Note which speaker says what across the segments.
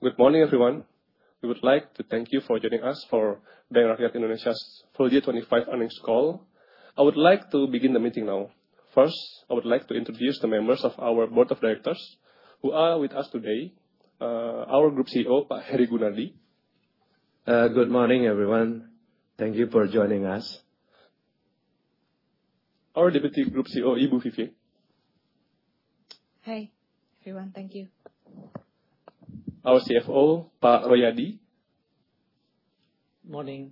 Speaker 1: Good morning, everyone. We would like to thank you for joining us for Bank Rakyat Indonesia's full year 2025 earnings call. I would like to begin the meeting now. First, I would like to introduce the members of our board of directors who are with us today. our group CEO, Pak Hery Gunardi.
Speaker 2: Good mornIng, everyone. Thank you for joining us.
Speaker 1: Our Deputy Group CEO, Ibu Vivi.
Speaker 3: Hi, everyone. Thank you.
Speaker 1: Our CFO, Pak Royadi.
Speaker 4: Morning.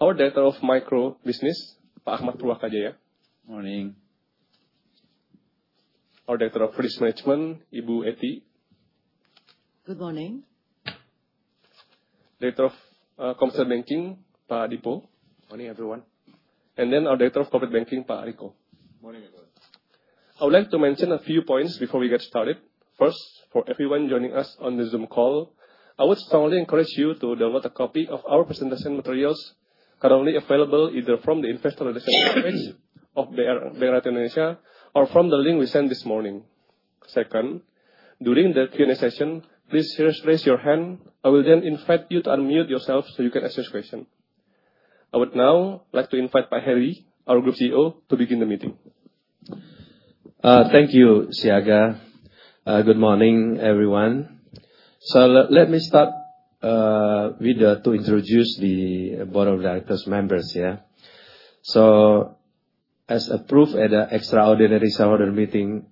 Speaker 1: Our Director of Micro Business, Pak Akhmad Purwakajaya.
Speaker 5: Morning.
Speaker 1: Our Director of Risk Management, Ibu Etty.
Speaker 6: Good morning.
Speaker 1: Director of, Consumer Banking, Pak Adhipo.
Speaker 7: Morning, everyone.
Speaker 1: Our Director of Corporate Banking, Pak Ariko.
Speaker 8: Morning, everyone.
Speaker 1: I would like to mention a few points before we get started. First, for everyone joining us on the Zoom call, I would strongly encourage you to download a copy of our presentation materials currently available either from the investor relations page of Bank Rakyat Indonesia, or from the link we sent this morning. Second, during the Q&A session, please raise your hand. I will then invite you to unmute yourself so you can ask your question. I would now like to invite Pak Hery, our Group CEO, to begin the meeting.
Speaker 2: Thank you, Siaga. Good morning, everyone. Let me start with to introduce the board of directors members here. As approved at an extraordinary shareholder meeting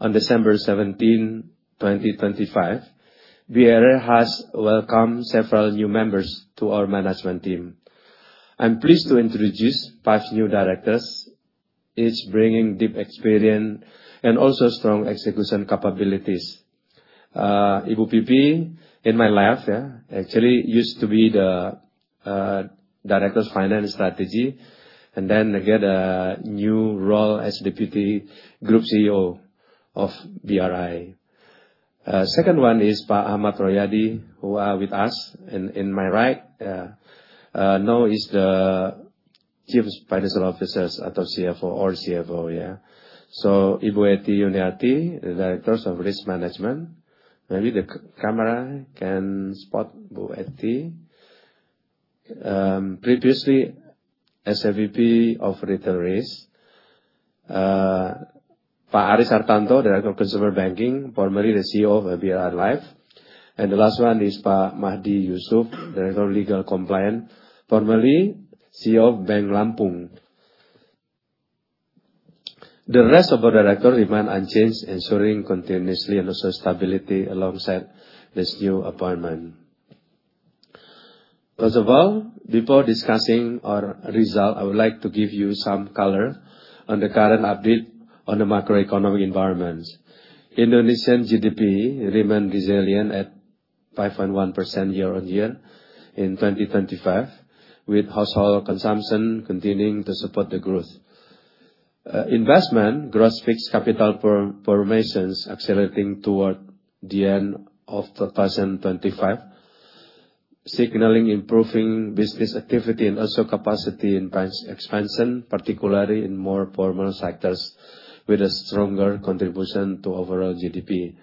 Speaker 2: on December 17, 2025, BRI has welcomed several new members to our management team. I'm pleased to introduce five new directors, each bringing deep experience and also strong execution capabilities. Ibu Vivi in my left, yeah, actually used to be the Directors Finance Strategy, and then again, a new role as Deputy Group CEO of BRI. Second one is Pak Ahmad Royadi, who are with us in my right. Now he's the Chief Financial Officers atau CFO, our CFO, yeah. Ibu Ety Yuniarti, the Directors of Risk Management. Maybe the camera can spot Ibu Etty. Previously, SRVP of Retail Risk. Pak Aris Hartanto, Director of Consumer Banking, formerly the CEO of BRI Life. The last one is Pak Mahdi Yusuf, Director of Legal & Compliance, formerly CEO of Bank Lampung. The rest of our director remain unchanged, ensuring continuously and also stability alongside this new appointment. First of all, before discussing our result, I would like to give you some color on the current update on the macroeconomic environment. Indonesian GDP remained resilient at 5.1% year-on-year in 2025, with household consumption continuing to support the growth. Investment gross fixed capital per-formations accelerating toward the end of 2025, signaling improving business activity and also capacity in branch expansion, particularly in more formal sectors with a stronger contribution to overall GDP.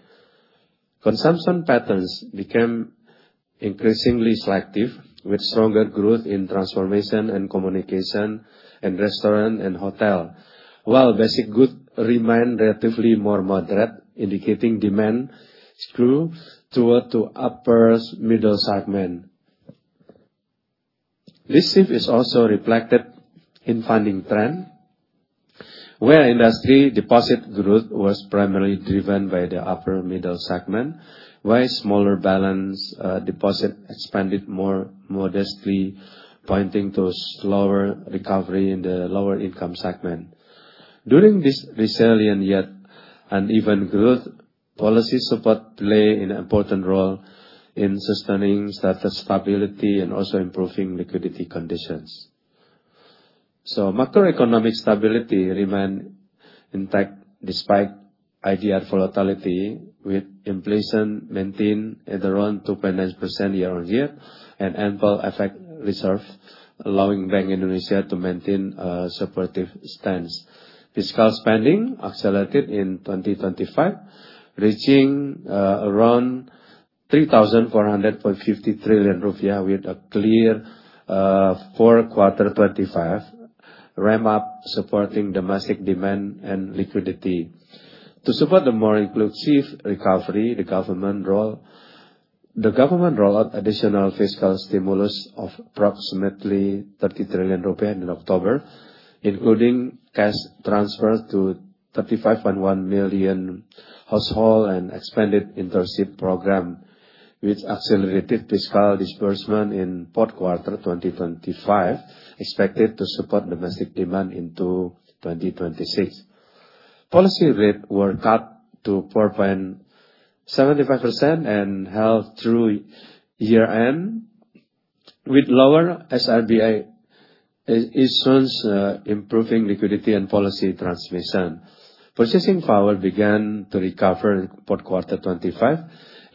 Speaker 2: Consumption patterns became increasingly selective, with stronger growth in transformation and communication and restaurant and hotel, while basic goods remained relatively more moderate, indicating demand grew toward to upper middle segment. This shift is also reflected in funding trend, where industry deposit growth was primarily driven by the upper middle segment, while smaller balance deposit expanded more modestly, pointing to slower recovery in the lower income segment. During this resilient yet uneven growth, policy support play an important role in sustaining status stability and also improving liquidity conditions. Macro economic stability remained intact despite IDR volatility, with inflation maintained at around 2.9% year-on-year and ample FX reserve, allowing Bank Indonesia to maintain supportive stance. Fiscal spending accelerated in 2025, reaching around 3,400.50 trillion rupiah with a clear four, quarter 2025 ramp up supporting domestic demand and liquidity. To support the more inclusive recovery, the government rolled out additional fiscal stimulus of approximately 30 trillion rupiah in October, including cash transfer to 35.1 million household and expanded internship program, which accelerated fiscal disbursement in fourth quarter 2025, expected to support domestic demand into 2026. Policy rate were cut to 4.75% and held through year-end, with lower SRBI issuance improving liquidity and policy transmission. Purchasing power began to recover fourth quarter 2025,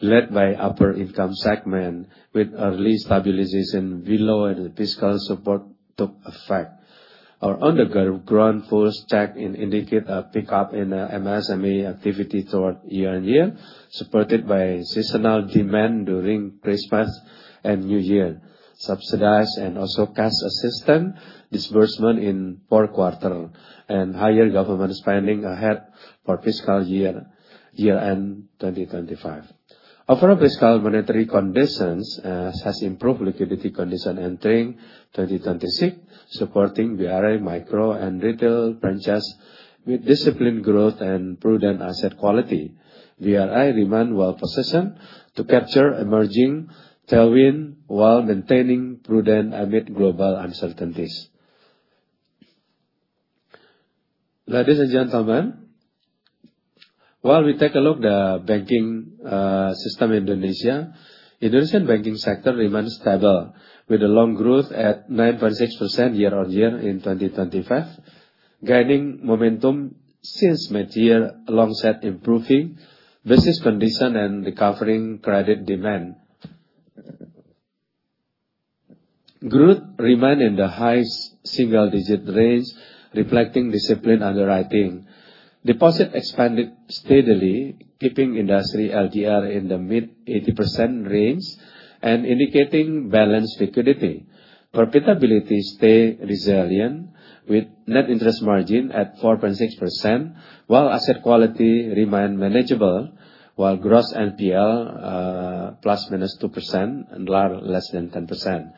Speaker 2: led by upper income segment with early stabilization below the fiscal support took effect. Our grant full stack in indicate a pick up in MSME activity toward year-on-year, supported by seasonal demand during Christmas and New Year. Subsidized and also cash assistance disbursement in fourth quarter and higher government spending ahead for fiscal year end 2025. Overall fiscal monetary conditions has improved liquidity condition entering 2026, supporting BRI micro and retail branches with disciplined growth and prudent asset quality. BRI remain well positioned to capture emerging tailwind while maintaining prudent amid global uncertainties. Ladies and gentlemen, while we take a look the banking system Indonesia. Indonesian banking sector remains stable, with a loan growth at 9.6% year-on-year in 2025, gaining momentum since mid-year alongside improving business conditions and recovering credit demand. Growth remained in the highest single digit range, reflecting discipline underwriting. Deposit expanded steadily, keeping industry LDR in the mid-80% range and indicating balanced liquidity. Profitability stayed resilient with net interest margin at 4.6%, while asset quality remained manageable, while gross NPL ±2% and LAR less than 10%.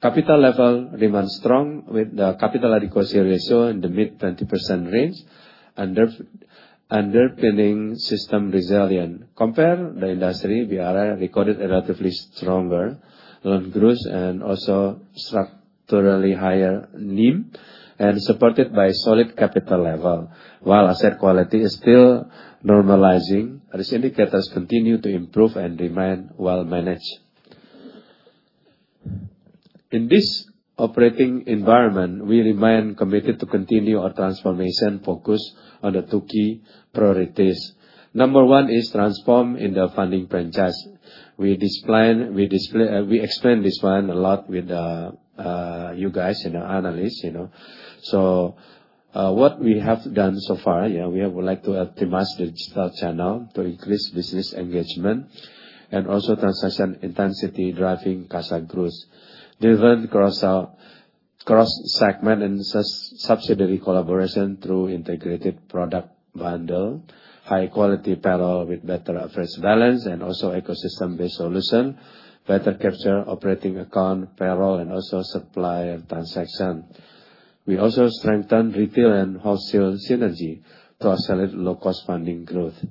Speaker 2: Capital level remains strong with the capital adequacy ratio in the mid-20% range, underpinning system resilience. Compare the industry, BRI recorded a relatively stronger loan growth and also structurally higher NIM and supported by solid capital level. While asset quality is still normalizing, risk indicators continue to improve and remain well managed. In this operating environment, we remain committed to continue our transformation focus on the 2 key priorities. Number 1 is transform in the funding franchise. We explain this one a lot with you guys and the analysts, you know. What we have done so far, yeah, we have to optimize digital channel to increase business engagement and also transaction intensity, driving CASA growth. Different cross-segment and subsidiary collaboration through integrated product bundle, high quality payroll with better average balance, and also ecosystem-based solution. Better capture operating account, payroll, and also supplier transaction. We also strengthen retail and wholesale synergy to accelerate low cost funding growth.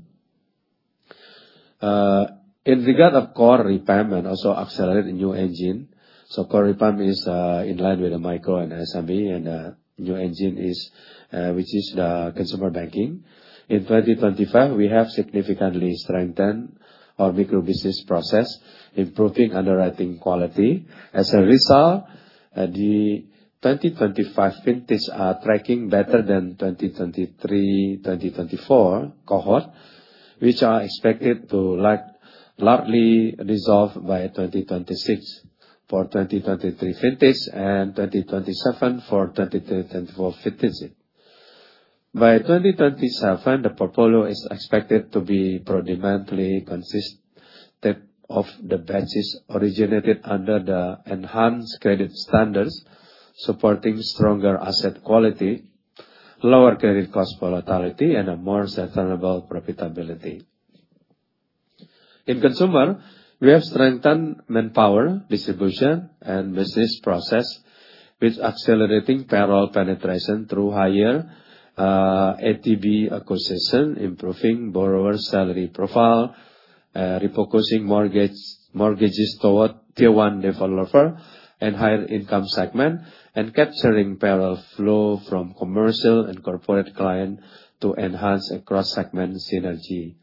Speaker 2: In regard of core repayment, also accelerate new engine. Core repam is in line with the micro and SME and new engine is which is the consumer banking. In 2025, we have significantly strengthened our micro business process, improving underwriting quality. As a result, the 2025 vintages are tracking better than 2023, 2024 cohort, which are expected to like, largely resolve by 2026 for 2023 vintage and 2027 for 2024 vintage. By 2027, the portfolio is expected to be predominantly consisted of the batches originated under the enhanced credit standards, supporting stronger asset quality, lower Cost of Credit volatility, and a more sustainable profitability. In consumer, we have strengthened manpower, distribution, and business process with accelerating payroll penetration through higher ATB acquisition, improving borrower salary profile, refocusing mortgages toward tier 1 developer and higher income segment, and capturing payroll flow from commercial and corporate client to enhance a cross-segment synergy.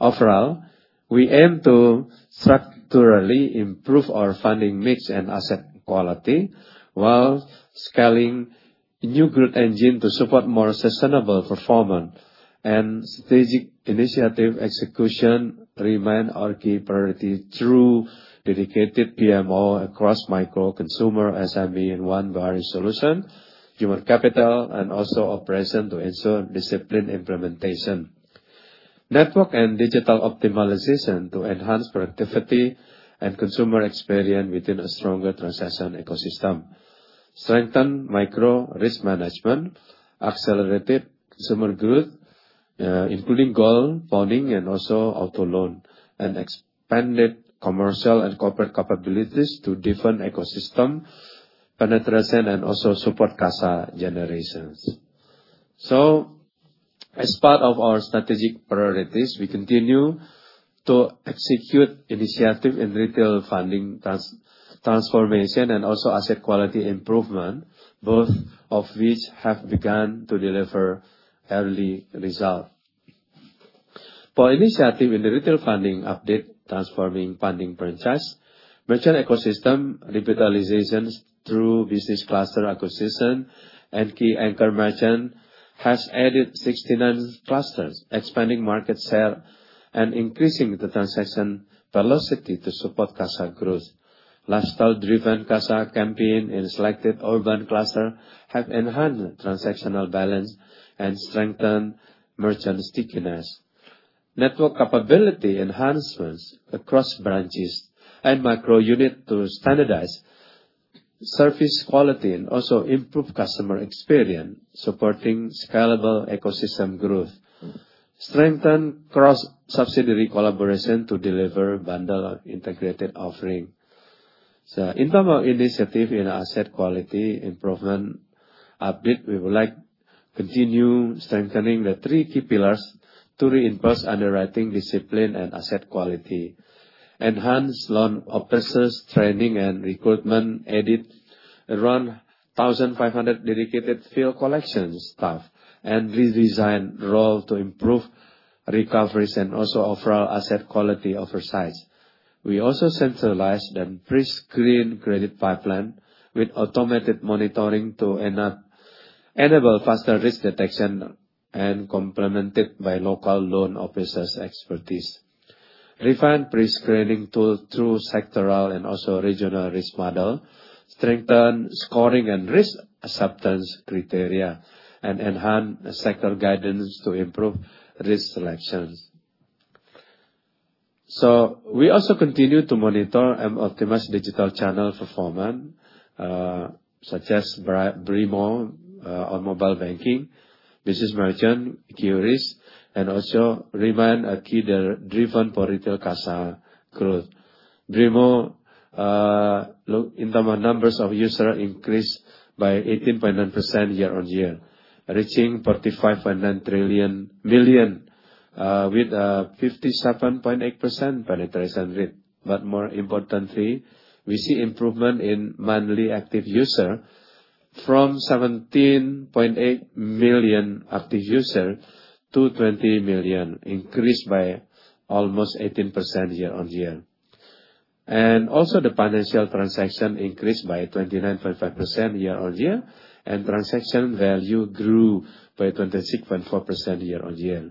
Speaker 2: Overall, we aim to structurally improve our funding mix and asset quality while scaling new growth engine to support more sustainable performance. Strategic initiative execution remain our key priority through dedicated PMO across micro, consumer, SME and 1 BRI solution, human capital and also operation to ensure disciplined implementation. Network and digital optimization to enhance productivity and consumer experience within a stronger transaction ecosystem. Strengthen micro risk management, accelerated consumer growth, including gold bonding and also auto loan, and expanded commercial and corporate capabilities to different ecosystem penetration and also support CASA generations. As part of our strategic priorities, we continue to execute initiative in retail funding transformation and also asset quality improvement, both of which have begun to deliver early results. For initiative in the retail funding update, transforming funding franchise, merchant ecosystem revitalization through business cluster acquisition and key anchor merchant has added 69 clusters, expanding market share and increasing the transaction velocity to support CASA growth. Lifestyle-driven CASA campaign in selected urban cluster have enhanced transactional balance and strengthened merchant stickiness. Network capability enhancements across branches and micro unit to standardize service quality and also improve customer experience, supporting scalable ecosystem growth. Strengthen cross-subsidiary collaboration to deliver bundle integrated offering. In terms of initiative in asset quality improvement a bit, we would like continue strengthening the 3 key pillars to reinforce underwriting discipline and asset quality. Enhance loan officers training and recruitment, added around 1,500 dedicated field collection staff, and redesign role to improve recoveries and also overall asset quality oversights. We also centralized and prescreen credit pipeline with automated monitoring to enable faster risk detection and complemented by local loan officers' expertise. Refined prescreening tool through sectoral and also regional risk model, strengthen scoring and risk acceptance criteria, and enhance sector guidance to improve risk selections. We also continue to monitor and optimize digital channel performance, such as BRImo on mobile banking. Business merchant QRIS, also remain a key driver for retail CASA growth. BRImo, in terms of numbers of user increased by 18.9% year-on-year, reaching 45.9 million, with a 57.8% penetration rate. More importantly, we see improvement in monthly active user from 17.8 million active user to 20 million, increased by almost 18% year-on-year. Also the financial transaction increased by 29.5% year-on-year, and transaction value grew by 26.4% year-on-year.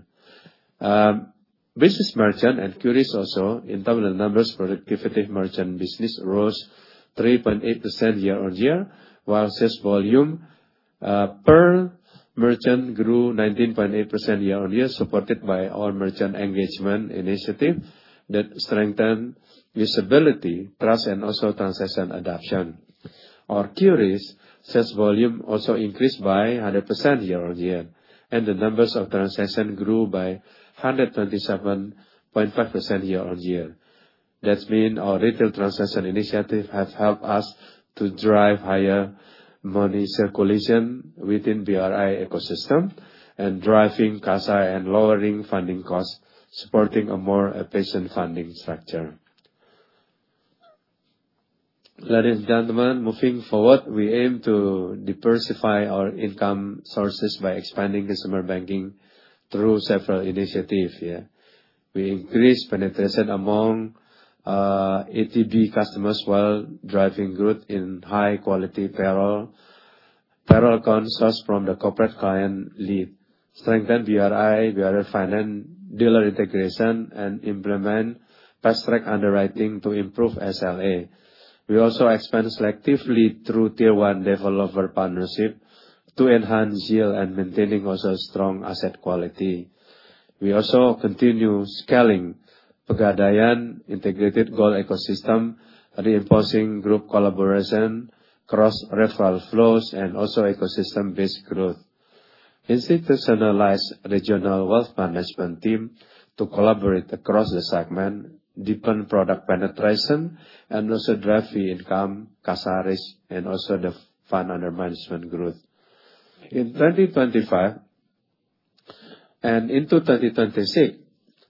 Speaker 2: Business merchant and QRIS also in terms of numbers for the productive merchant business rose 3.8% year-on-year, while sales volume per merchant grew 19.8% year-on-year, supported by our merchant engagement initiative that strengthen usability, trust, and also transaction adoption. Our QRIS sales volume also increased by 100% year-on-year, and the numbers of transaction grew by 127.5% year-on-year. That mean our retail transaction initiative has helped us to drive higher money circulation within BRI ecosystem and driving CASA and lowering funding costs, supporting a more efficient funding structure. Ladies and gentlemen, moving forward, we aim to diversify our income sources by expanding customer banking through several initiatives, yeah. We increase penetration among ATB customers while driving growth in high quality payroll concepts from the corporate client lead. Strengthen BRI Finance dealer integration, and implement fast-track underwriting to improve SLA. We also expand selectively through Tier 1 developer partnership to enhance yield and maintaining also strong asset quality. We also continue scaling Pegadaian integrated gold ecosystem, reinforcing group collaboration, cross-referral flows, and also ecosystem-based growth. Institutionalize regional wealth management team to collaborate across the segment, deepen product penetration, and also drive fee income, CASA risk, and also the Fund Under Management growth. In 2025 and into 2026,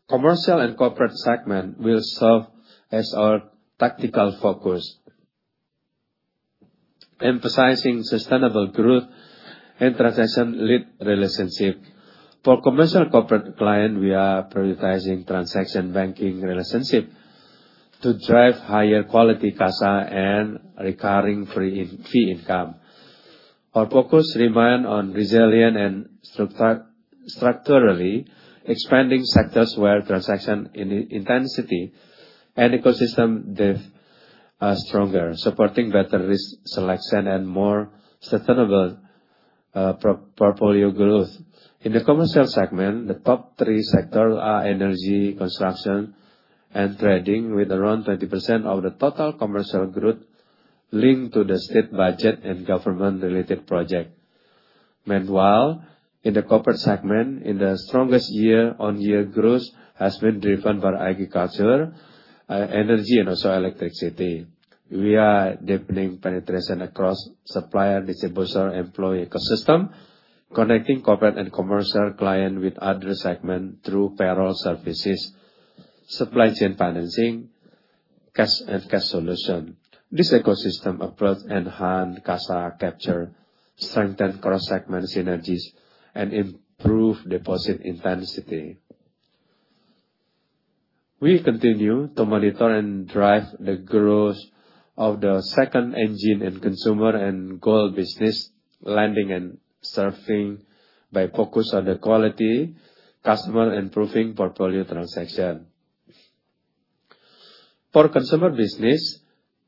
Speaker 2: commercial and corporate segment will serve as our tactical focus, emphasizing sustainable growth and transaction-led relationship. For commercial corporate client, we are prioritizing transaction banking relationship to drive higher quality CASA and recurring fee income. Our focus remain on resilient and structurally expanding sectors where transaction in intensity and ecosystem depth are stronger, supporting better risk selection and more sustainable portfolio growth. In the commercial segment, the top 3 sectors are energy, construction, and trading, with around 20% of the total commercial growth linked to the state budget and government-related project. In the corporate segment, in the strongest year-on-year growth has been driven by agriculture, energy, and also electricity. We are deepening penetration across supplier, distributor, employee ecosystem, connecting corporate and commercial client with other segment through payroll services, supply chain financingCash and cash solution. This ecosystem approach enhance CASA capture, strengthen cross-segment synergies, and improve deposit intensity. We continue to monitor and drive the growth of the second engine in consumer and gold business, lending and serving by focus on the quality, customer and proving portfolio transaction. For consumer business,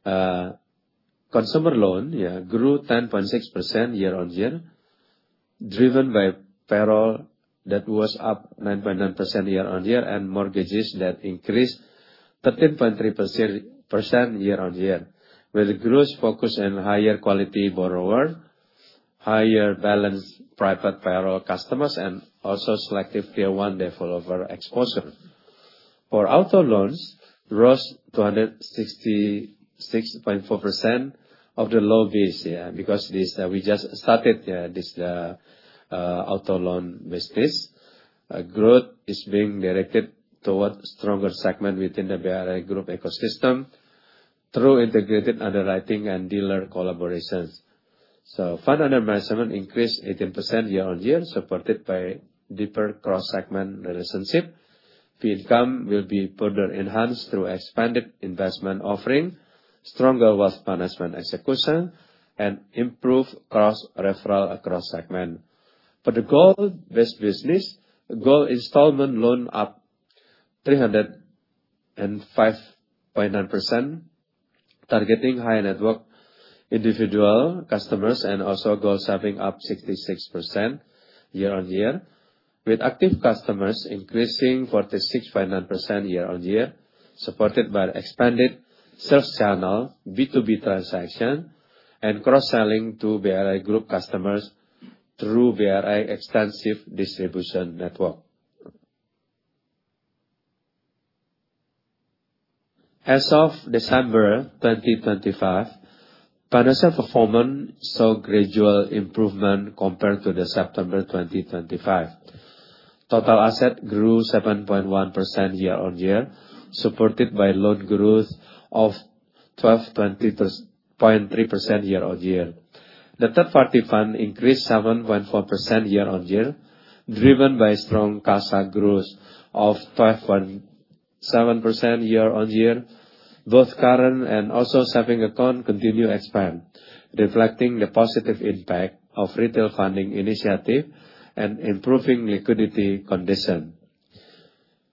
Speaker 2: consumer loan, yeah, grew 10.6% year-on-year, driven by payroll that was up 9.9% year-on-year, and mortgages that increased 13.3% year-on-year. With growth focus and higher quality borrower, higher balance private payroll customers and also selective Tier 1 developer exposure. For auto loans, rose to 166.4% of the low base, yeah, because this, we just started, yeah, this auto loan business. Growth is being directed towards stronger segment within the BRI Group ecosystem through integrated underwriting and dealer collaborations. Fund Under Management increased 18% year-on-year, supported by deeper cross-segment relationship. Fee income will be further enhanced through expanded investment offering, stronger wealth management execution, and improved cross-referral across segment. For the gold-based business, gold installment loan up 305.9%, targeting high-net-worth individual customers. Also gold saving up 66% year-on-year, with active customers increasing 46.9% year-on-year, supported by expanded sales channel, B2B transaction, and cross-selling to BRI group customers through BRI extensive distribution network. As of December 2025, financial performance saw gradual improvement compared to the September 2025. Total asset grew 7.1% year-on-year, supported by loan growth of 12.3% year-on-year. The third-party fund increased 7.4% year-on-year, driven by strong CASA growth of 5.7% year-on-year. Both current and also savings account continue expand, reflecting the positive impact of retail funding initiative and improving liquidity condition.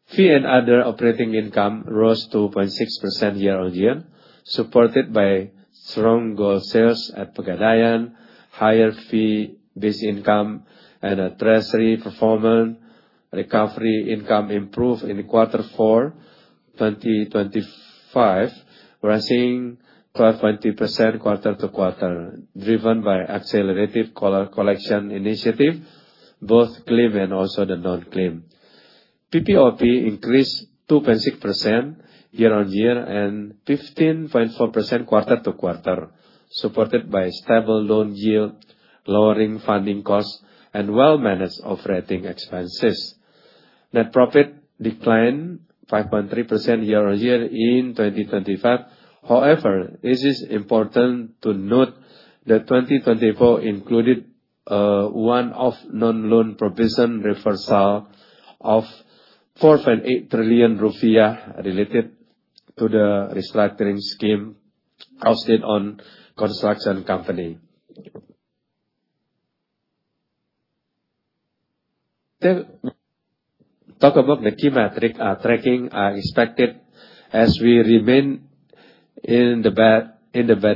Speaker 2: Fee and other operating income rose 2.6% year-on-year, supported by strong gold sales at Pegadaian, higher fee-based income, and a treasury performance. Recovery income improved in quarter four, 2025, rising 12.2% quarter-to-quarter, driven by accelerated call collection initiative, both claim and also the non-claim. PPOP increased 2.6% year-on-year, and 15.4% quarter-to-quarter, supported by stable loan yield, lowering funding costs, and well-managed operating expenses. Net profit declined 5.3% year-on-year in 2025. However, it is important to note that 2024 included one of non-loan provision reversal of 4.8 trillion rupiah related to the restructuring scheme costing on construction company. Talk about the key metric tracking are expected as we remain in the bad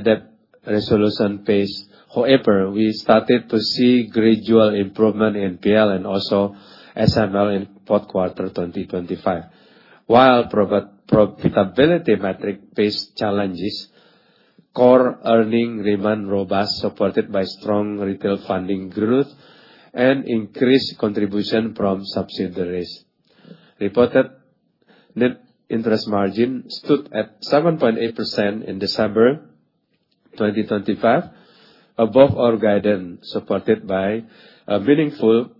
Speaker 2: debt resolution phase. However, we started to see gradual improvement in PL and also SML in fourth quarter 2025. While profitability metric face challenges, core earning remain robust, supported by strong retail funding growth and increased contribution from subsidiaries. Reported net interest margin stood at 7.8% in December 2025, above our guidance, supported by a meaningful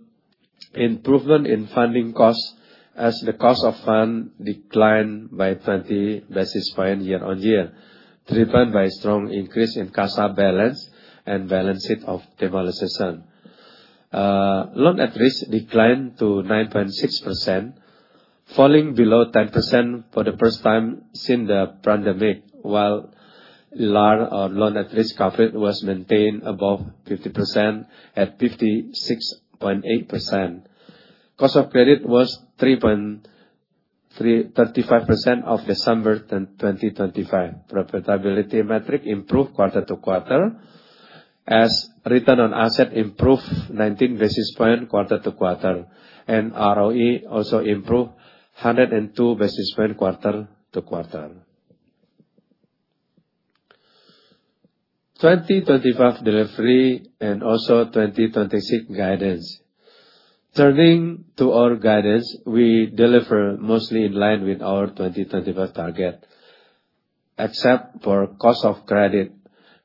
Speaker 2: improvement in funding costs as the cost of fund declined by 20 basis points year-on-year, driven by strong increase in CASA balance and balances of mobilization. Loan at risk declined to 9.6%, falling below 10% for the first time since the pandemic. While LAR, or loan at risk covered, was maintained above 50% at 56.8%. Cost of credit was 3.35% of December 10, 2025. Profitability metric improved quarter-to-quarter as return on asset improved 19 basis point quarter-to-quarter, and ROE also improved 102 basis point quarter-to-quarter. 2025 delivery and also 2026 guidance. Turning to our guidance, we deliver mostly in line with our 2025 target, except for cost of credit,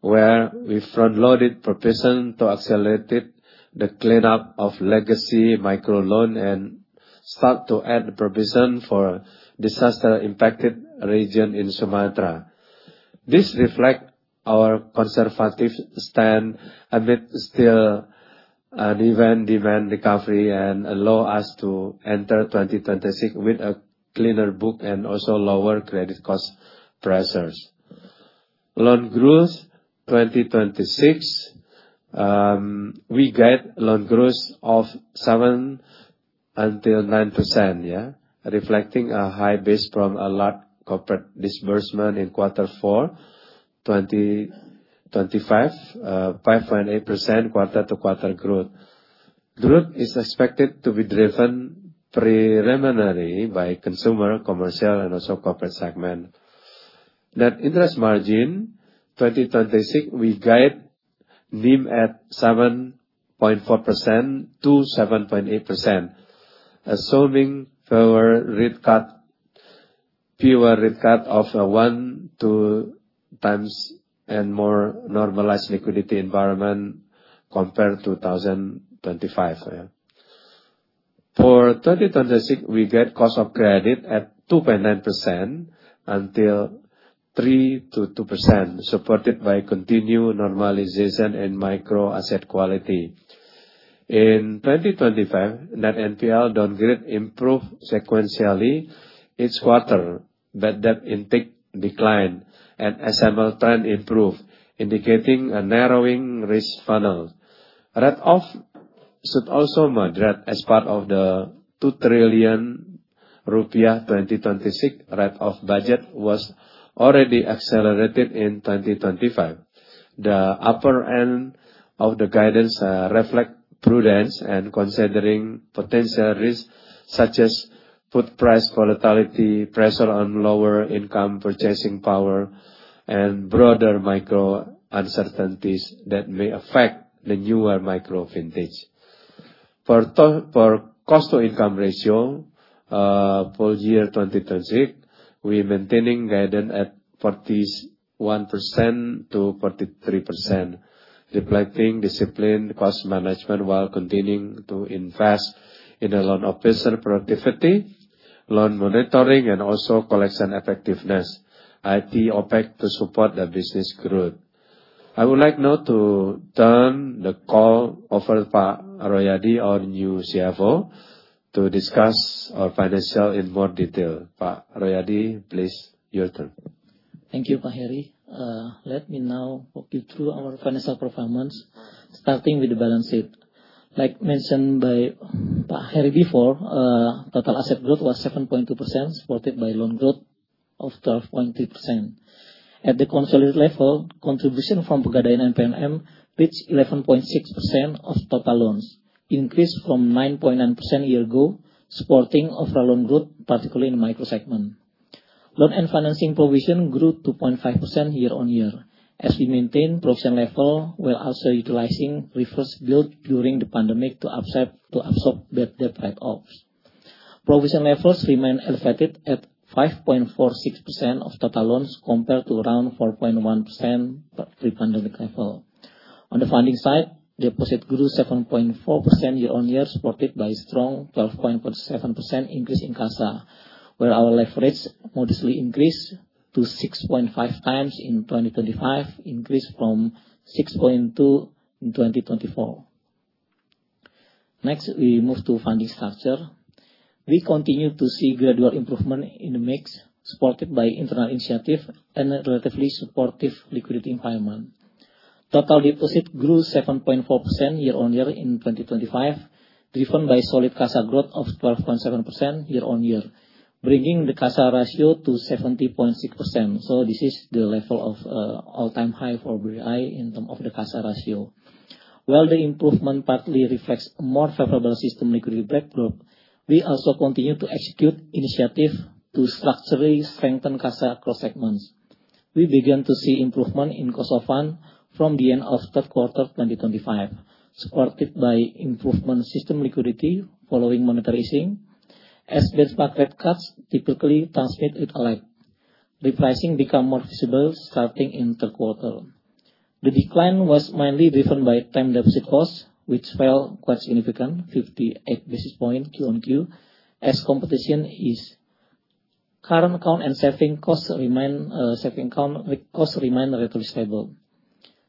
Speaker 2: where we front-loaded provision to accelerate it, the cleanup of legacy micro loan and start to add provision for disaster impacted region in Sumatra. This reflect our conservative stand amid still an event demand recovery and allow us to enter 2026 with a cleaner book and also lower Cost of Credit pressures. Loan growth 2026, we guide loan growth of 7%-9%. Reflecting a high base from a large corporate disbursement in Q4 2025, 5.8% quarter-to-quarter growth. Growth is expected to be driven preliminarily by consumer, commercial, and also corporate segment. Net interest margin, 2026, we guide NIM at 7.4%-7.8%, assuming further rate cut, fewer rate cut of 1 to times and more normalized liquidity environment compared to 2025. For 2026, we get Cost of Credit at 2.9%-3.2%, supported by continued normalization in micro asset quality. In 2025, net NPL downgrade improved sequentially each quarter, bad debt intake declined and SML trend improved, indicating a narrowing risk funnel. Write-off should also moderate as part of the 2 trillion rupiah 2026 write-off budget was already accelerated in 2025. The upper end of the guidance reflect prudence and considering potential risks such as food price volatility, pressure on lower income purchasing power, and broader macro uncertainties that may affect the newer micro vintage. For cost-to-income ratio, for year 2026, we're maintaining guidance at 41%-43%, reflecting disciplined cost management while continuing to invest in the loan officer productivity, loan monitoring, and also collection effectiveness, IT, OpEx to support the business growth. I would like now to turn the call over Pak Royadi, our new CFO, to discuss our financial in more detail. Pak Royadi, please, your turn.
Speaker 4: Thank you, Pak Heri. Let me now walk you through our financial performance, starting with the balance sheet. Like mentioned by Pak Heri before, total asset growth was 7.2%, supported by loan growth of 12.3%. At the consolidated level, contribution from Pegadaian and PNM reached 11.6% of total loans, increased from 9.9% a year ago, supporting overall loan growth, particularly in the micro segment. Loan and financing provision grew 2.5% year-on-year, as we maintain provision level, we're also utilizing reserves built during the pandemic to absorb bad debt write-offs. Provision levels remain elevated at 5.46% of total loans, compared to around 4.1% pre-pandemic level. On the funding side, deposit grew 7.4% year-on-year, supported by strong 12.7% increase in CASA, where our leverage modestly increased to 6.5 times in 2025, increased from 6.2 in 2024. Next, we move to funding structure. We continue to see gradual improvement in the mix, supported by internal initiative and a relatively supportive liquidity environment. Total deposit grew 7.4% year-on-year in 2025, driven by solid CASA growth of 12.7% year-on-year, bringing the CASA ratio to 70.6%. This is the level of all-time high for BRI in term of the CASA ratio. While the improvement partly reflects a more favorable system liquidity backdrop, we also continue to execute initiative to structurally strengthen CASA across segments. We began to see improvement in cost of fund from the end of 3rd quarter 2025, supported by improvement system liquidity following monetary easing, as base effect rate cuts typically transmit with a lag. Repricing become more visible starting in 3rd quarter. The decline was mainly driven by time deposit costs, which fell quite significant, 58 basis point QoQ, as competition ease. Current account and saving costs remain saving account costs remain relatively stable.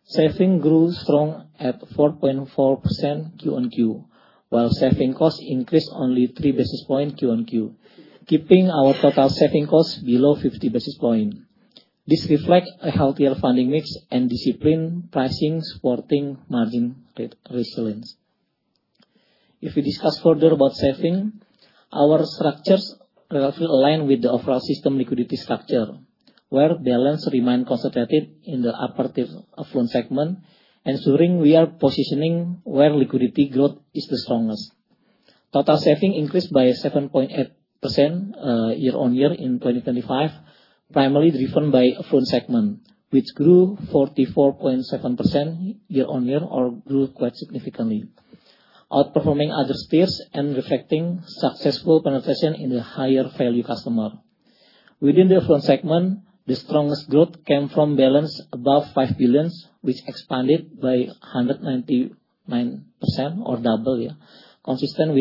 Speaker 4: Saving grew strong at 4.4% QoQ, while saving costs increased only 3 basis points QoQ, keeping our total saving costs below 50 basis points. This reflects a healthier funding mix and disciplined pricing supporting margin resilience. If we discuss further about savings, our structures relatively align with the overall system liquidity structure, where balances remain concentrated in the upper tier affluent segment, ensuring we are positioning where liquidity growth is the strongest. Total savings increased by 7.8% year-on-year in 2025, primarily driven by affluent segment, which grew 44.7% year-on-year or grew quite significantly, outperforming other peers and reflecting successful penetration in the higher value customer. Within the affluent segment, the strongest growth came from balances above 5 billion, which expanded by 199% or double, consistent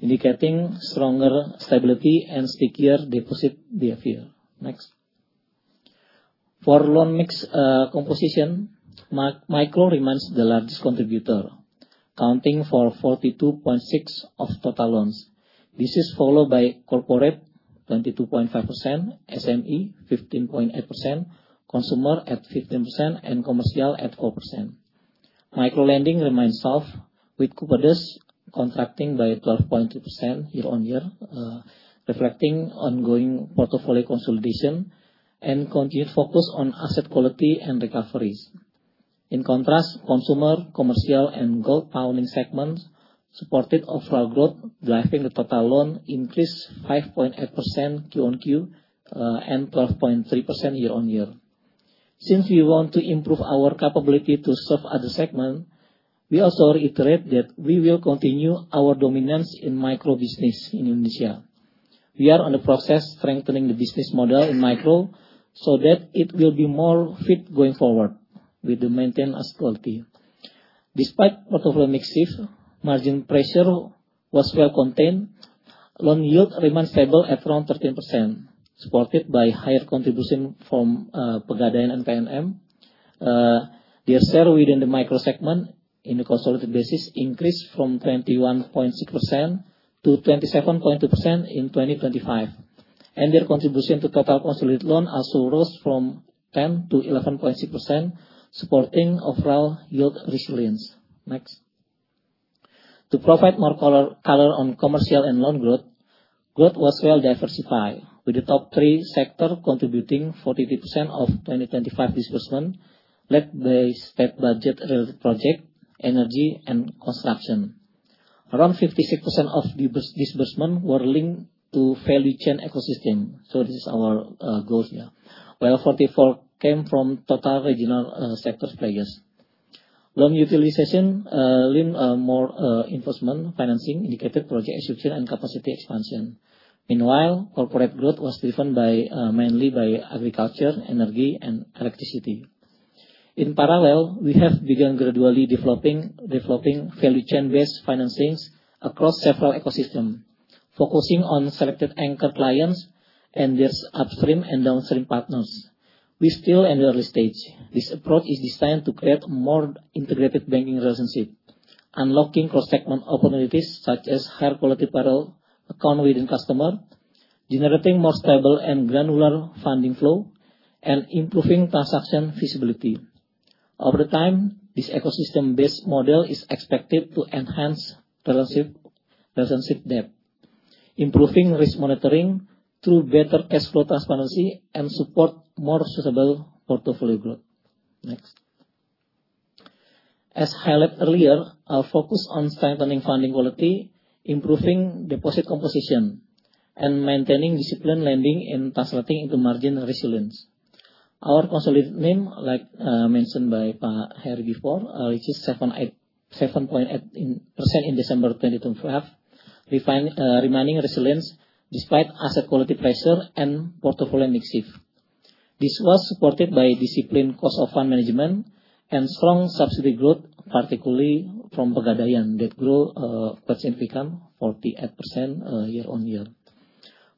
Speaker 4: with broader micro liquidity trends and improved wallet capture. On the sidenote, we also observe improved funding retention trend. If you see in this graph, with monthly average balancing surpassing the prior years, year-end level earlier in the year, indicating stronger stability and stickier deposit behavior. Next. For loan mix composition, micro remains the largest contributor, accounting for 42.6 of total loans. This is followed by corporate 22.5%, SME 15.8%, consumer at 15%, and commercial at 4%. Micro lending remains soft, with Kupedes contracting by 12.2% year-on-year, reflecting ongoing portfolio consolidation and continued focus on asset quality and recoveries. In contrast, consumer, commercial, and gold founding segments supported overall growth, driving the total loan increase 5.8% Q-on-Q and 12.3% year-on-year. Since we want to improve our capability to serve other segment, we also reiterate that we will continue our dominance in micro business in Indonesia. We are on the process strengthening the business model in micro so that it will be more fit going forward with the maintained asset quality. Despite portfolio mix shift, margin pressure was well contained. Loan yield remains stable at around 13%, supported by higher contribution from Pegadaian and PNM. Their share within the micro segment in a consolidated basis increased from 21.6% to 27.2% in 2025, and their contribution to total consolidated loan also rose from 10%-11.6%, supporting overall yield resilience. Next. To provide more color on commercial and loan growth was well diversified, with the top three sector contributing 43% of 2025 disbursement, led by state budget related project, energy and construction. Around 56% of disbursement were linked to value chain ecosystem. This is our goal, while 44 came from total regional sector players. Loan utilization lean more investment financing indicated project structure and capacity expansion. Meanwhile, corporate growth was driven mainly by agriculture, energy, and electricity. In parallel, we have begun gradually developing value chain-based financings across several ecosystem, focusing on selected anchor clients and their upstream and downstream partners. We're still in early stage. This approach is designed to create a more integrated banking relationship, unlocking cross-segment opportunities such as higher quality parallel account within customer, generating more stable and granular funding flow, and improving transaction visibility. Over time, this ecosystem-based model is expected to enhance relative, relationship depth, improving risk monitoring through better cash flow transparency and support more suitable portfolio growth. Next. As highlighted earlier, our focus on strengthening funding quality, improving deposit composition, and maintaining disciplined lending and translating into margin resilience. Our consolidated NIM, like, mentioned by Pak Heri before, which is 7.8% in December 2025, remaining resilience despite asset quality pressure and portfolio mix shift. This was supported by disciplined cost of fund management and strong subsidy growth, particularly from Pegadaian, that grew quite significant, 48% year-on-year.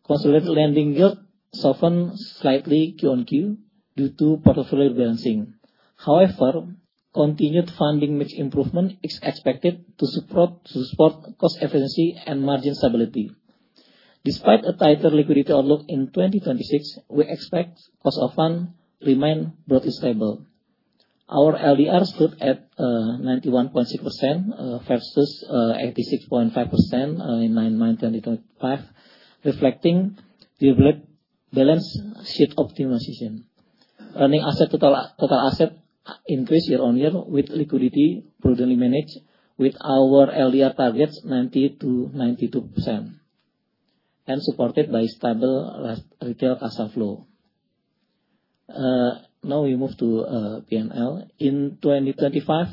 Speaker 4: Consolidated lending yield softened slightly Q-on-Q due to portfolio balancing. However, continued funding mix improvement is expected to support cost efficiency and margin stability. Despite a tighter liquidity outlook in 2026, we expect cost of fund remain broadly stable. Our LDR stood at 91.6% versus 86.5% in 9/9/2025, reflecting the balance sheet optimization. Running asset, total asset increased year-on-year with liquidity prudently managed with our LDR targets 90%-92% and supported by stable retail cash flow. Now we move to P&L. In 2025,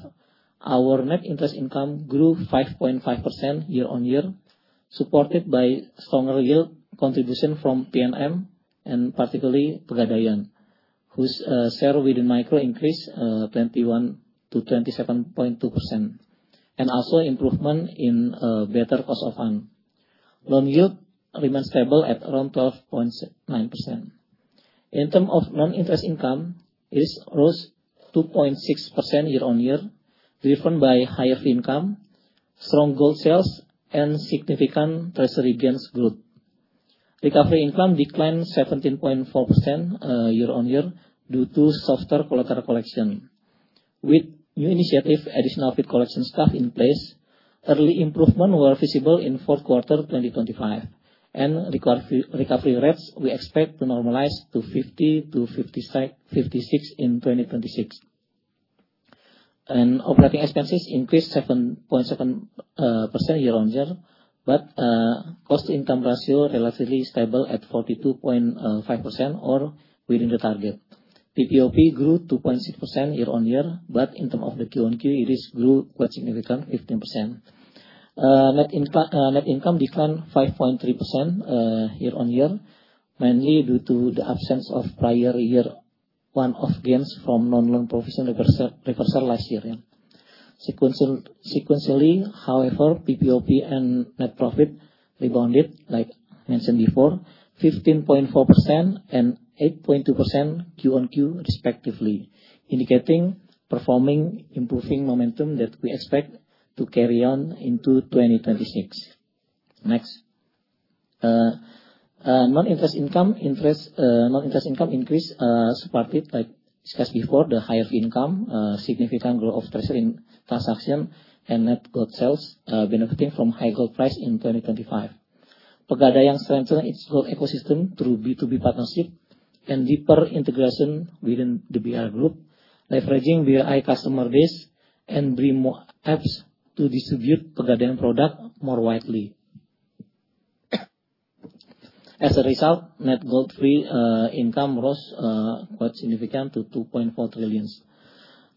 Speaker 4: our net interest income grew 5.5% year-on-year, supported by stronger yield contribution from PNM and particularly Pegadaian, whose share within micro increased 21%-27.2%, and also improvement in better cost of fund. Loan yield remains stable at around 12.9%. In term of non-interest income, it rose 2.6% year-on-year, driven by higher fee income, strong gold sales, and significant treasury gains growth. Recovery income declined 17.4% year-on-year due to softer collateral collection. With new initiative, additional fee collection staff in place, early improvement were visible in fourth quarter 2025. Recovery rates, we expect to normalize to 50%-56% in 2026. Operating expenses increased 7.7% year-on-year. Cost-to-income ratio relatively stable at 42.5% or within the target. PPOP grew 2.6% year-on-year, but in terms of the Q-on-Q, it is grew quite significant, 15%. Net income declined 5.3% year-on-year, mainly due to the absence of prior year one-off gains from non-loan provision reversal last year, yeah. Sequentially, however, PPOP and net profit rebounded, like mentioned before, 15.4% and 8.2% Q-on-Q respectively, indicating performing improving momentum that we expect to carry on into 2026. Next. Non-interest income, interest, non-interest income increased, supported, like discussed before, the higher income, significant growth of treasury in transaction and net gold sales, benefiting from high gold price in 2025. Pegadaian strengthened its gold ecosystem through B2B partnership and deeper integration within the BRI group, leveraging BRI customer base and BRImo apps to distribute Pegadaian product more widely. As a result, net gold fee, income rose, quite significant to 2.4 trillion.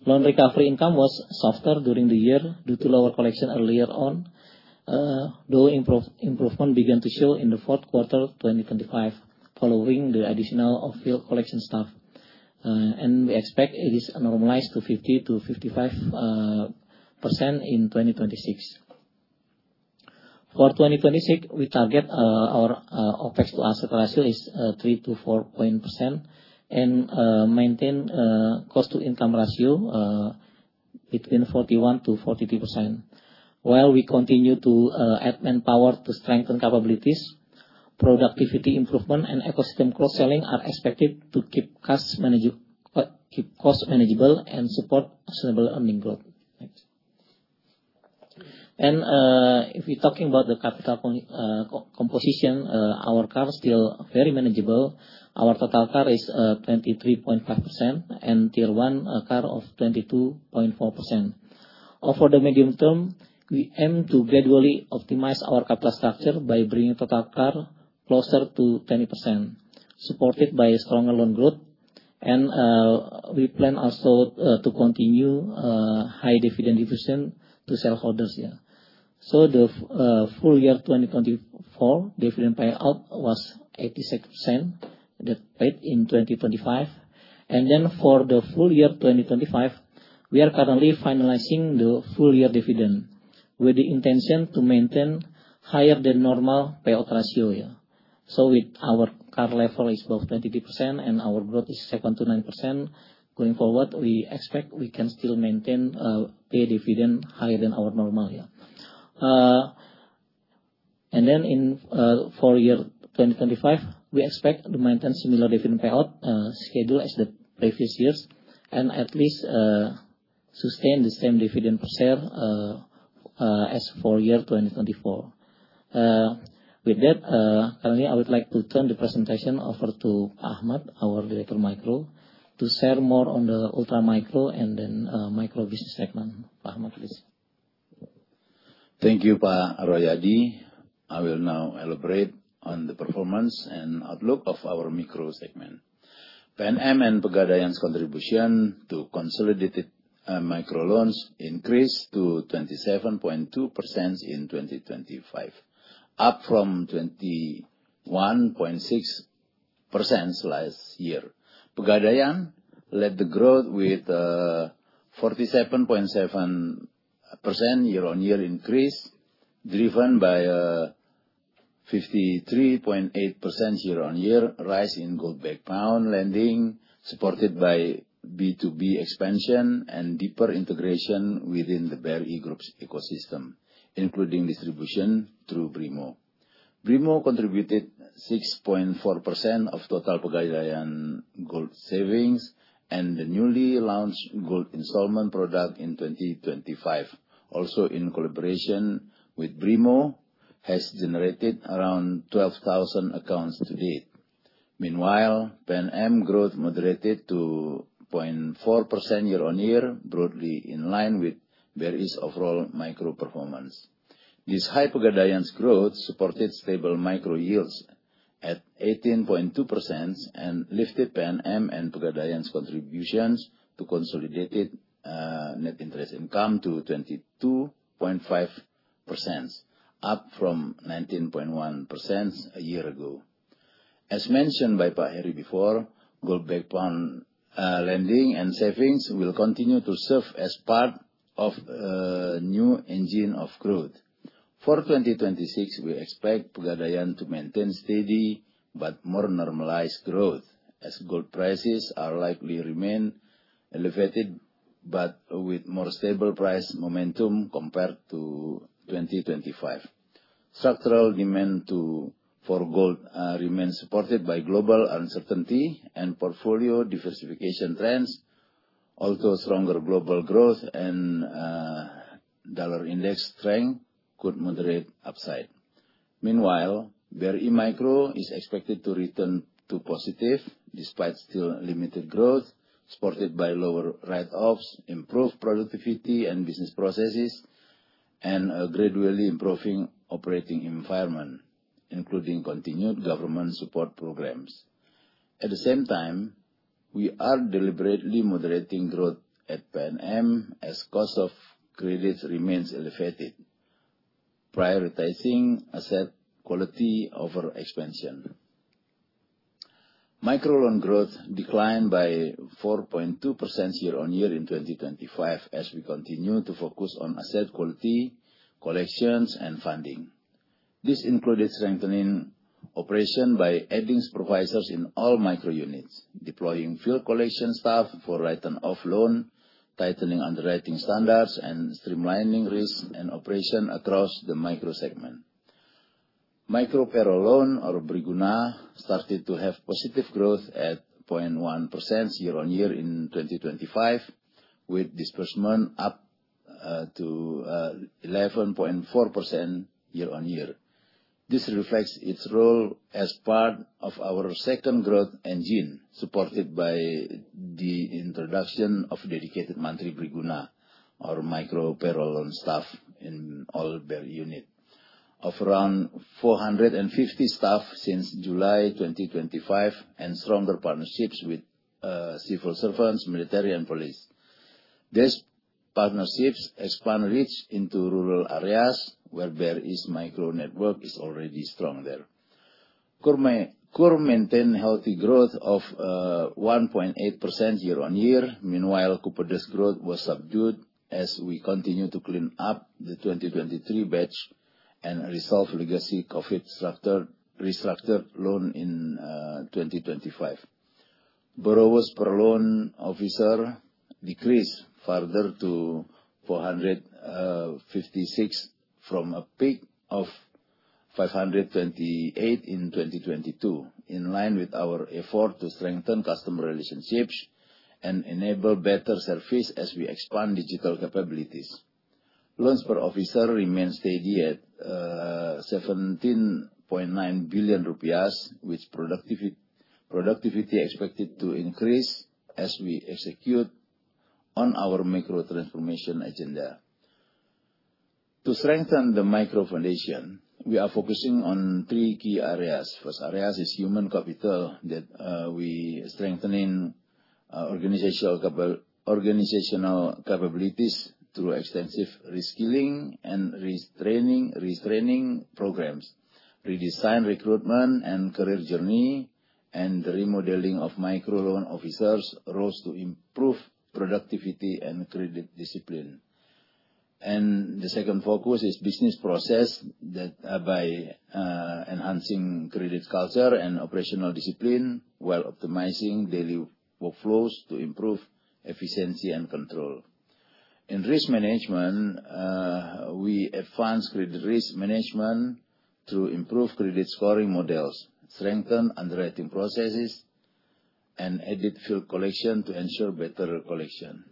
Speaker 4: Loan recovery income was softer during the year due to lower collection earlier on, though improvement began to show in the fourth quarter 2025 following the additional off-field collection staff. We expect it is normalized to 50%-55% in 2026. For 2026, we target our OPEX to asset ratio is 3%-4% and maintain cost to income ratio between 41%-43%, while we continue to add manpower to strengthen capabilities. Productivity improvement and ecosystem cross-selling are expected to keep costs manageable and support sustainable earning growth. Next. If we're talking about the capital composition, our CAR is still very manageable. Our total CAR is 23.5% and Tier 1 CAR of 22.4%. Over the medium term, we aim to gradually optimize our capital structure by bringing total CAR closer to 20%, supported by stronger loan growth. We plan also to continue high dividend division to shareholders, yeah. The full year 2024 dividend payout was 86% that paid in 2025. For the full year 2025, we are currently finalizing the full year dividend with the intention to maintain higher than normal payout ratio, yeah. With our CAR level is above 20% and our growth is 7%-9%, going forward, we expect we can still maintain pay dividend higher than our normal, yeah. In full year 2025, we expect to maintain similar dividend payout schedule as the previous years and at least sustain the same dividend per share as full year 2024. With that, currently, I would like to turn the presentation over to Pak Akhmad, our Director of Micro, to share more on the ultra micro business segment. Pak Ahmad, please.
Speaker 5: Thank you, Pak Royadi. I will now elaborate on the performance and outlook of our micro segment. PNM and Pegadaian's contribution to consolidated micro loans increased to 27.2% in 2025, up from 21.6% last year. Pegadaian led the growth with 47.7% year-on-year increase, driven by 53.8% year-on-year rise in gold backed loan lending, supported by B2B expansion and deeper integration within the BRI group's ecosystem, including distribution through BRImo. BRImo contributed 6.4% of total Pegadaian gold savings and the newly launched gold installment product in 2025, also in collaboration with BRImo, has generated around 12,000 accounts to date. Meanwhile, PNM growth moderated to 0.4% year-on-year, broadly in line with BRI's overall micro performance. This high Pegadaian's growth supported stable micro yields at 18.2% and lifted PNM and Pegadaian's contributions to consolidated net interest income to 22.5%, up from 19.1% a year ago. As mentioned by Pak Hery before, gold backed loan lending and savings will continue to serve as part of new engine of growth. For 2026, we expect Pegadaian to maintain steady but more normalized growth as gold prices are likely remain elevated, but with more stable price momentum compared to 2025. Structural demand for gold remains supported by global uncertainty and portfolio diversification trends. Also, stronger global growth and Dollar index strength could moderate upside. Meanwhile, BRI Micro is expected to return to positive despite still limited growth, supported by lower write-offs, improved productivity and business processes, and a gradually improving operating environment, including continued government support programs. At the same time, we are deliberately moderating growth at PNM as Cost of Credit remains elevated, prioritizing asset quality over expansion. Microloan growth declined by 4.2% year-on-year in 2025 as we continue to focus on asset quality, collections, and funding. This included strengthening operation by adding supervisors in all micro units, deploying field collection staff for written off loan, tightening underwriting standards, and streamlining risk and operation across the micro segment. Micro payroll loan or BRIGuna started to have positive growth at 0.1% year-on-year in 2025, with disbursement up to 11.4% year-on-year. This reflects its role as part of our second growth engine, supported by the introduction of dedicated Mantri BRIGuna or micro payroll loan staff in all BRI unit of around 450 staff since July 2025, and stronger partnerships with civil servants, military, and police. These partnerships expand reach into rural areas where BRI's micro network is already strong there. KUR maintain healthy growth of 1.8% year-on-year. Meanwhile, Kopdit's growth was subdued as we continue to clean up the 2023 batch and resolve legacy COVID restructured loan in 2025. Borrowers per loan officer decreased further to 456 from a peak of 528 in 2022, in line with our effort to strengthen customer relationships and enable better service as we expand digital capabilities. Loans per officer remain steady at 17.9 billion rupiah, which productivity expected to increase as we execute on our micro transformation agenda. To strengthen the micro foundation, we are focusing on three key areas. First areas is human capital that we strengthening organizational capabilities through extensive reskilling and retraining programs, redesign recruitment and career journey, and the remodeling of micro loan officers' roles to improve productivity and credit discipline. The second focus is business process that by enhancing credit culture and operational discipline while optimizing daily workflows to improve efficiency and control. In risk management, we advance credit risk management to improve credit scoring models, strengthen underwriting processes, and edit field collection to ensure better collection.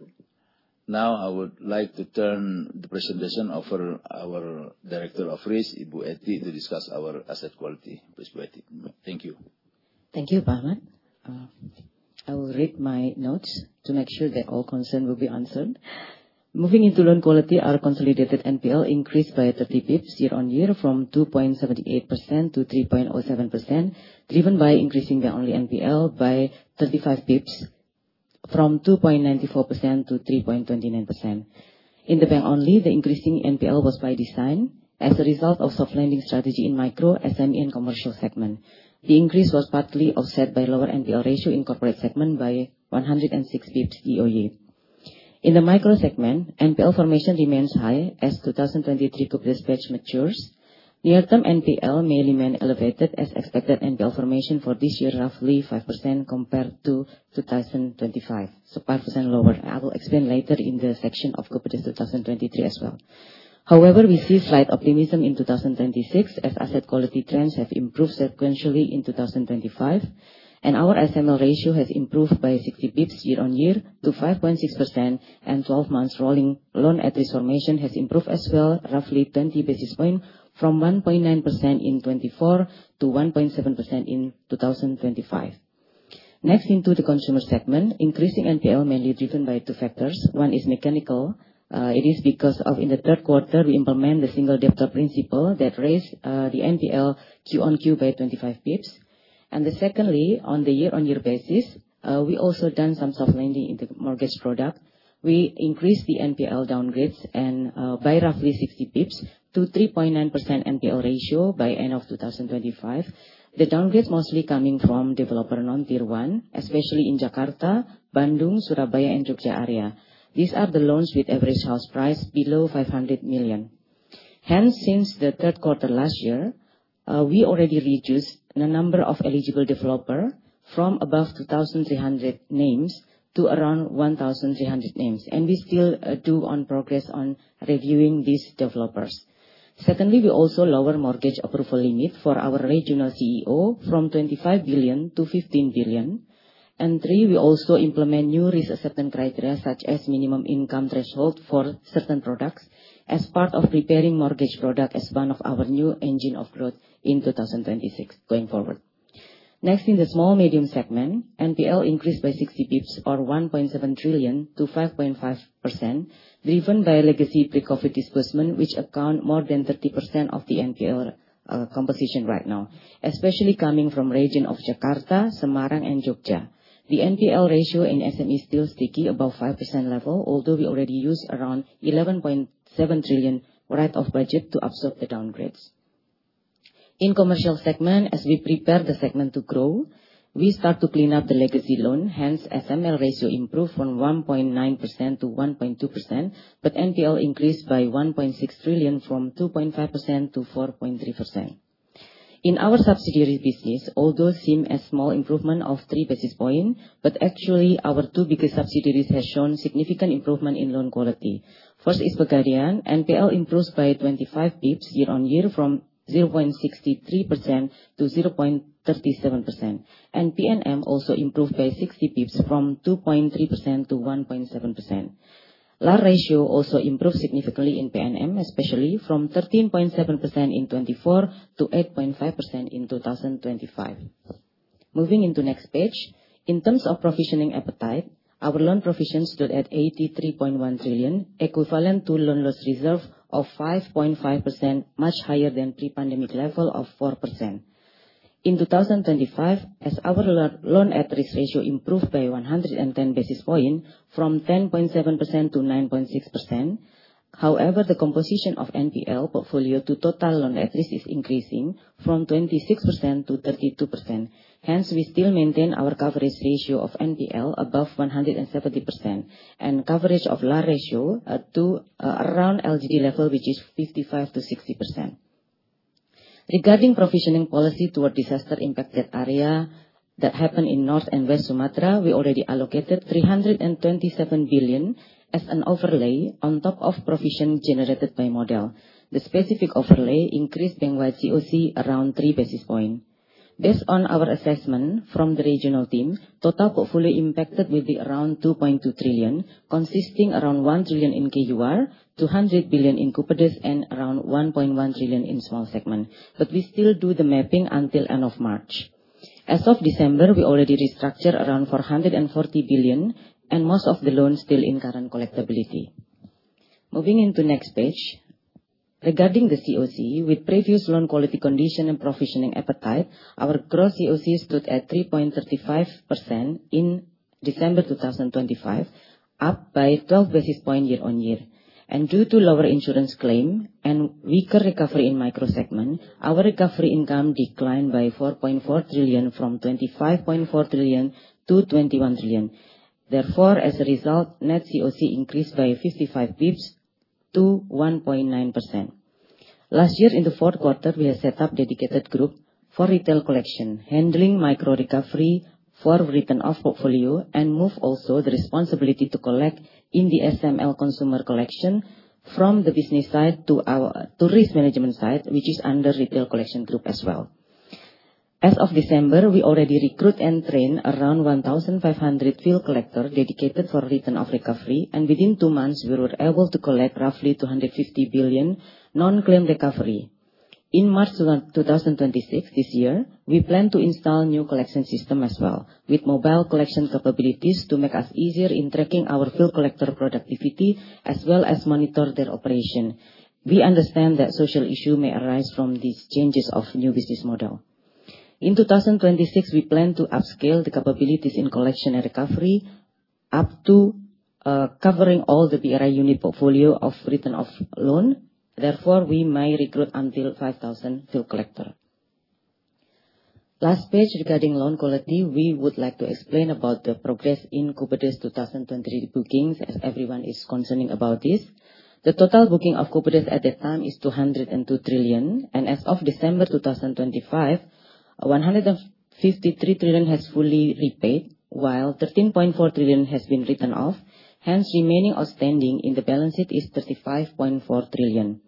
Speaker 5: Now I would like to turn the presentation over our Director of Risk, Ibu Etty, to discuss our asset quality perspective. Thank you.
Speaker 6: Thank you, Pak Achmad. I will read my notes to make sure that all concern will be answered. Moving into loan quality, our consolidated NPL increased by 30 basis points year-on-year from 2.78% to 3.07%, driven by increasing the only NPL by 35 basis points from 2.94% to 3.29%. In the bank only, the increasing NPL was by design as a result of soft lending strategy in micro, SME, and commercial segment. The increase was partly offset by lower NPL ratio in corporate segment by 106 basis points year-on-year. In the micro segment, NPL formation remains high as 2023 Kopdit batch matures. Near term NPL may remain elevated as expected NPL formation for this year, roughly 5% compared to 2025, so 5% lower. I will explain later in the section of Kopdit 2023 as well. We see slight optimism in 2026 as asset quality trends have improved sequentially in 2025, and our SML ratio has improved by 60 basis points year-on-year to 5.6% and 12 months rolling loan at risk formation has improved as well, roughly 20 basis points from 1.9% in 2024 to 1.7% in 2025. Into the consumer segment. Increasing NPL mainly driven by two factors. One is mechanical. It is because of in the third quarter, we implement the single debtor principle that raised the NPL Q-on-Q by 25 basis points. Secondly, on the year-on-year basis, we also done some soft lending in the mortgage product. We increased the NPL downgrades and by roughly 60 basis points to 3.9% NPL ratio by end of 2025. The downgrades mostly coming from developer non-Tier 1, especially in Jakarta, Bandung, Surabaya, and Jogja area. These are the loans with average house price below 500 million. Hence, since the third quarter last year, we already reduced the number of eligible developer from above 2,300 names to around 1,300 names, and we still do on progress on reviewing these developers. Secondly, we also lower mortgage approval limit for our regional CEO from 25 billion to 15 billion. Three, we also implement new risk acceptance criteria, such as minimum income threshold for certain products as part of preparing mortgage product as one of our new engine of growth in 2026 going forward. In the small medium segment, NPL increased by 60 bps or 1.7 trillion to 5.5%, driven by legacy pre-COVID disbursement, which account more than 30% of the NPL composition right now, especially coming from region of Jakarta, Semarang, and Jogja. The NPL ratio in SME is still sticky above 5% level, although we already use around 11.7 trillion write-off budget to absorb the downgrades. In commercial segment, as we prepare the segment to grow, we start to clean up the legacy loan. SML ratio improved from 1.9% to 1.2%, but NPL increased by 1.6 trillion from 2.5% to 4.3%. In our subsidiary business, although seem a small improvement of 3 basis point, actually our two biggest subsidiaries has shown significant improvement in loan quality. First is Pegadaian. NPL improves by 25 bps year-on-year from 0.63% to 0.37%. PNM also improved by 60 bps from 2.3% to 1.7%. LAR ratio also improved significantly in PNM, especially from 13.7% in 2024 to 8.5% in 2025. Moving into next page. In terms of provisioning appetite, our loan provisions stood at 83.1 trillion, equivalent to loan loss reserve of 5.5%, much higher than pre-pandemic level of 4%. In 2025, as our loan at-risk ratio improved by 110 basis point from 10.7% to 9.6%. The composition of NPL portfolio to total loan at-risk is increasing from 26% to 32%. We still maintain our coverage ratio of NPL above 170%, and coverage of LAR ratio to around LGD level, which is 55%-60%. Regarding provisioning policy toward disaster impacted area that happened in North and West Sumatra, we already allocated 327 billion as an overlay on top of provision generated by model. The specific overlay increased bank-wide CoC around 3 basis point. Based on our assessment from the regional team, total portfolio impacted will be around 2.2 trillion, consisting around 1 trillion in KJU, 200 billion in Kupedes, and around 1.1 trillion in small segment. We still do the mapping until end of March. As of December, we already restructure around 440 billion, and most of the loans still in current collectability. Moving into next page. Regarding the CoC, with previous loan quality condition and provisioning appetite, our gross CoC stood at 3.35% in December 2025, up by 12 basis points year-over-year. Due to lower insurance claim and weaker recovery in micro segment, our recovery income declined by 4.4 trillion from 25.4 trillion to 21 trillion. Therefore, as a result, net CoC increased by 55 basis points to 1.9%. Last year, in the fourth quarter, we had set up dedicated group for retail collection, handling micro recovery for written off portfolio and move also the responsibility to collect in the SML consumer collection from the business side to our risk management side, which is under retail collection group as well. As of December, we already recruit and train around 1,500 field collector dedicated for written off recovery, within 2 months, we were able to collect roughly 250 billion non-claim recovery. In March 2026, this year, we plan to install new collection system as well with mobile collection capabilities to make us easier in tracking our field collector productivity, as well as monitor their operation. We understand that social issue may arise from these changes of new business model. In 2026, we plan to upscale the capabilities in collection and recovery up to covering all the BRI unit portfolio of written off loan. We may recruit until 5,000 field collector. Last page, regarding loan quality, we would like to explain about the progress in Kupedes 2020 bookings, as everyone is concerning about it. The total booking of Kupedes at that time is 202 trillion, and as of December 2025, 153 trillion has fully repaid, while 13.4 trillion has been written off. Remaining outstanding in the balance sheet is 35.4 trillion.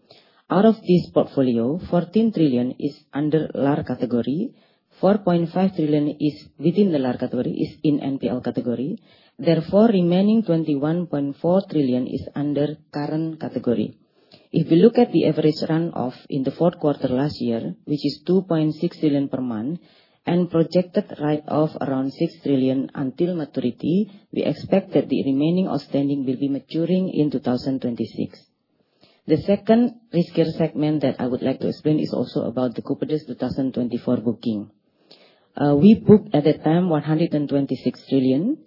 Speaker 6: Out of this portfolio, 14 trillion is under LAR category, 4.5 trillion is within the LAR category is in NPL category. Remaining 21.4 trillion is under current category. If we look at the average run-off in the fourth quarter last year, which is 2.6 trillion per month and projected write-off around 6 trillion until maturity, we expect that the remaining outstanding will be maturing in 2026. The second riskier segment that I would like to explain is also about the Kupedes 2024 booking. We booked at that time 126 trillion,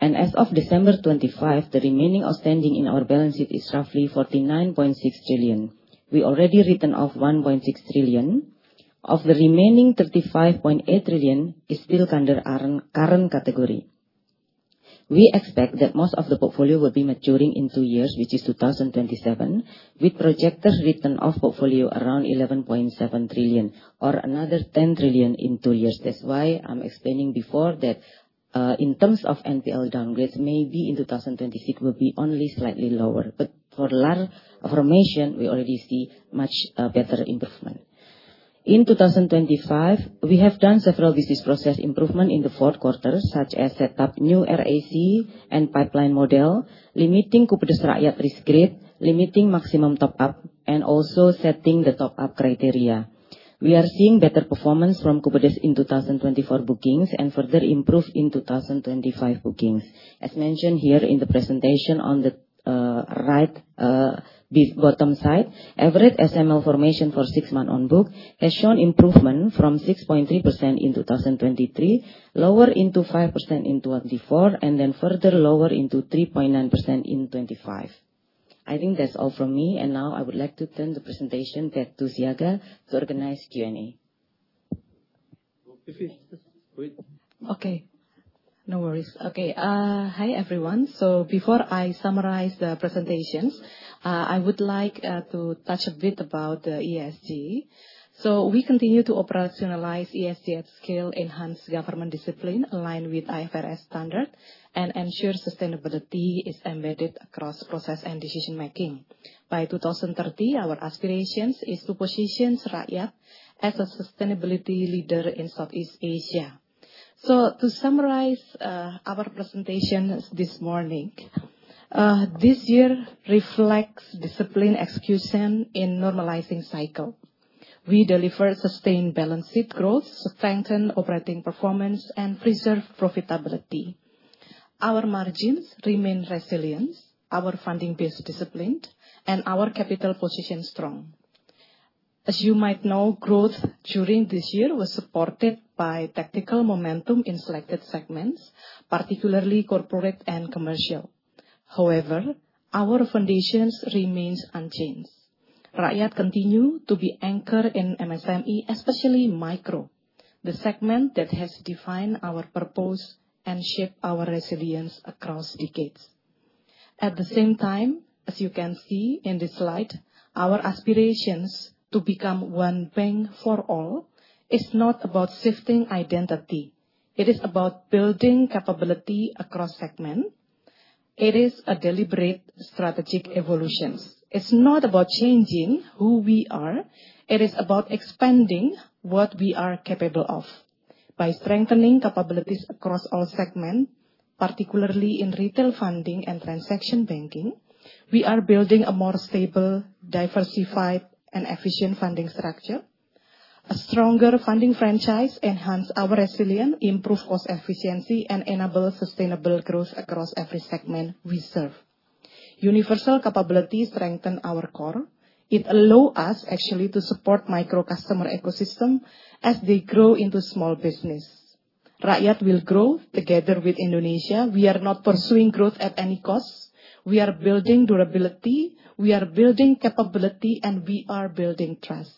Speaker 6: and as of December 2025, the remaining outstanding in our balance sheet is roughly 49.6 trillion. We already written off 1.6 trillion. Of the remaining 35.8 trillion is still under our current category.
Speaker 3: We expect that most of the portfolio will be maturing in two years, which is 2027, with projected return of portfolio around 11.7 trillion, or another 10 trillion in two years. That's why I'm explaining before that, in terms of NPL downgrades, maybe in 2026 will be only slightly lower. For LAR formation, we already see much better improvement. In 2025, we have done several business process improvement in the fourth quarter, such as set up new RAC and pipeline model, limiting Kopdit Rakyat risk grid, limiting maximum top up, and also setting the top up criteria. We are seeing better performance from Kopdit in 2024 bookings, and further improve in 2025 bookings. As mentioned here in the presentation on the right bottom side, average SML formation for six months on book has shown improvement from 6.3% in 2023, lower into 5% in 2024, and then further lower into 3.9% in 2025. I think that's all from me. Now I would like to turn the presentation back to Siaga to organize Q&A.
Speaker 1: Bu Vivi, just wait.
Speaker 3: Okay. No worries. Okay. Hi, everyone. Before I summarize the presentations, I would like to touch a bit about ESG. We continue to operationalize ESG at scale, enhance government discipline aligned with IFRS standard, and ensure sustainability is embedded across process and decision making. By 2030, our aspirations is to position Rakyat as a sustainability leader in Southeast Asia. To summarize our presentations this morning, this year reflects discipline execution in normalizing cycle. We deliver sustained balanced growth, strengthen operating performance, and preserve profitability. Our margins remain resilient, our funding base disciplined, and our capital position strong. As you might know, growth during this year was supported by tactical momentum in selected segments, particularly corporate and commercial. However, our foundations remains unchanged. Rakyat continue to be anchored in MSME, especially micro, the segment that has defined our purpose and shaped our resilience across decades. At the same time, as you can see in this slide, our aspirations to become one bank for all is not about shifting identity. It is about building capability across segment. It is a deliberate strategic evolution. It's not about changing who we are. It is about expanding what we are capable of. By strengthening capabilities across all segment, particularly in retail funding and transaction banking, we are building a more stable, diversified, and efficient funding structure. A stronger funding franchise enhance our resilience, improve cost efficiency, and enable sustainable growth across every segment we serve. Universal capability strengthen our core. It allow us actually to support micro customer ecosystem as they grow into small business. Rakyat will grow together with Indonesia. We are not pursuing growth at any cost. We are building durability, we are building capability, and we are building trust.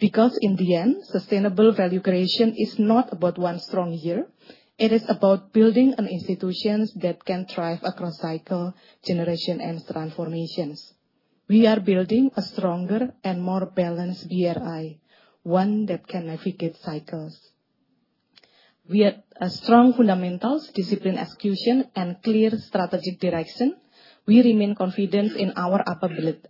Speaker 3: In the end, sustainable value creation is not about one strong year. It is about building an institutions that can thrive across cycle, generation, and transformations. We are building a stronger and more balanced BRI, one that can navigate cycles. We have strong fundamentals, disciplined execution, and clear strategic direction. We remain confident in our ability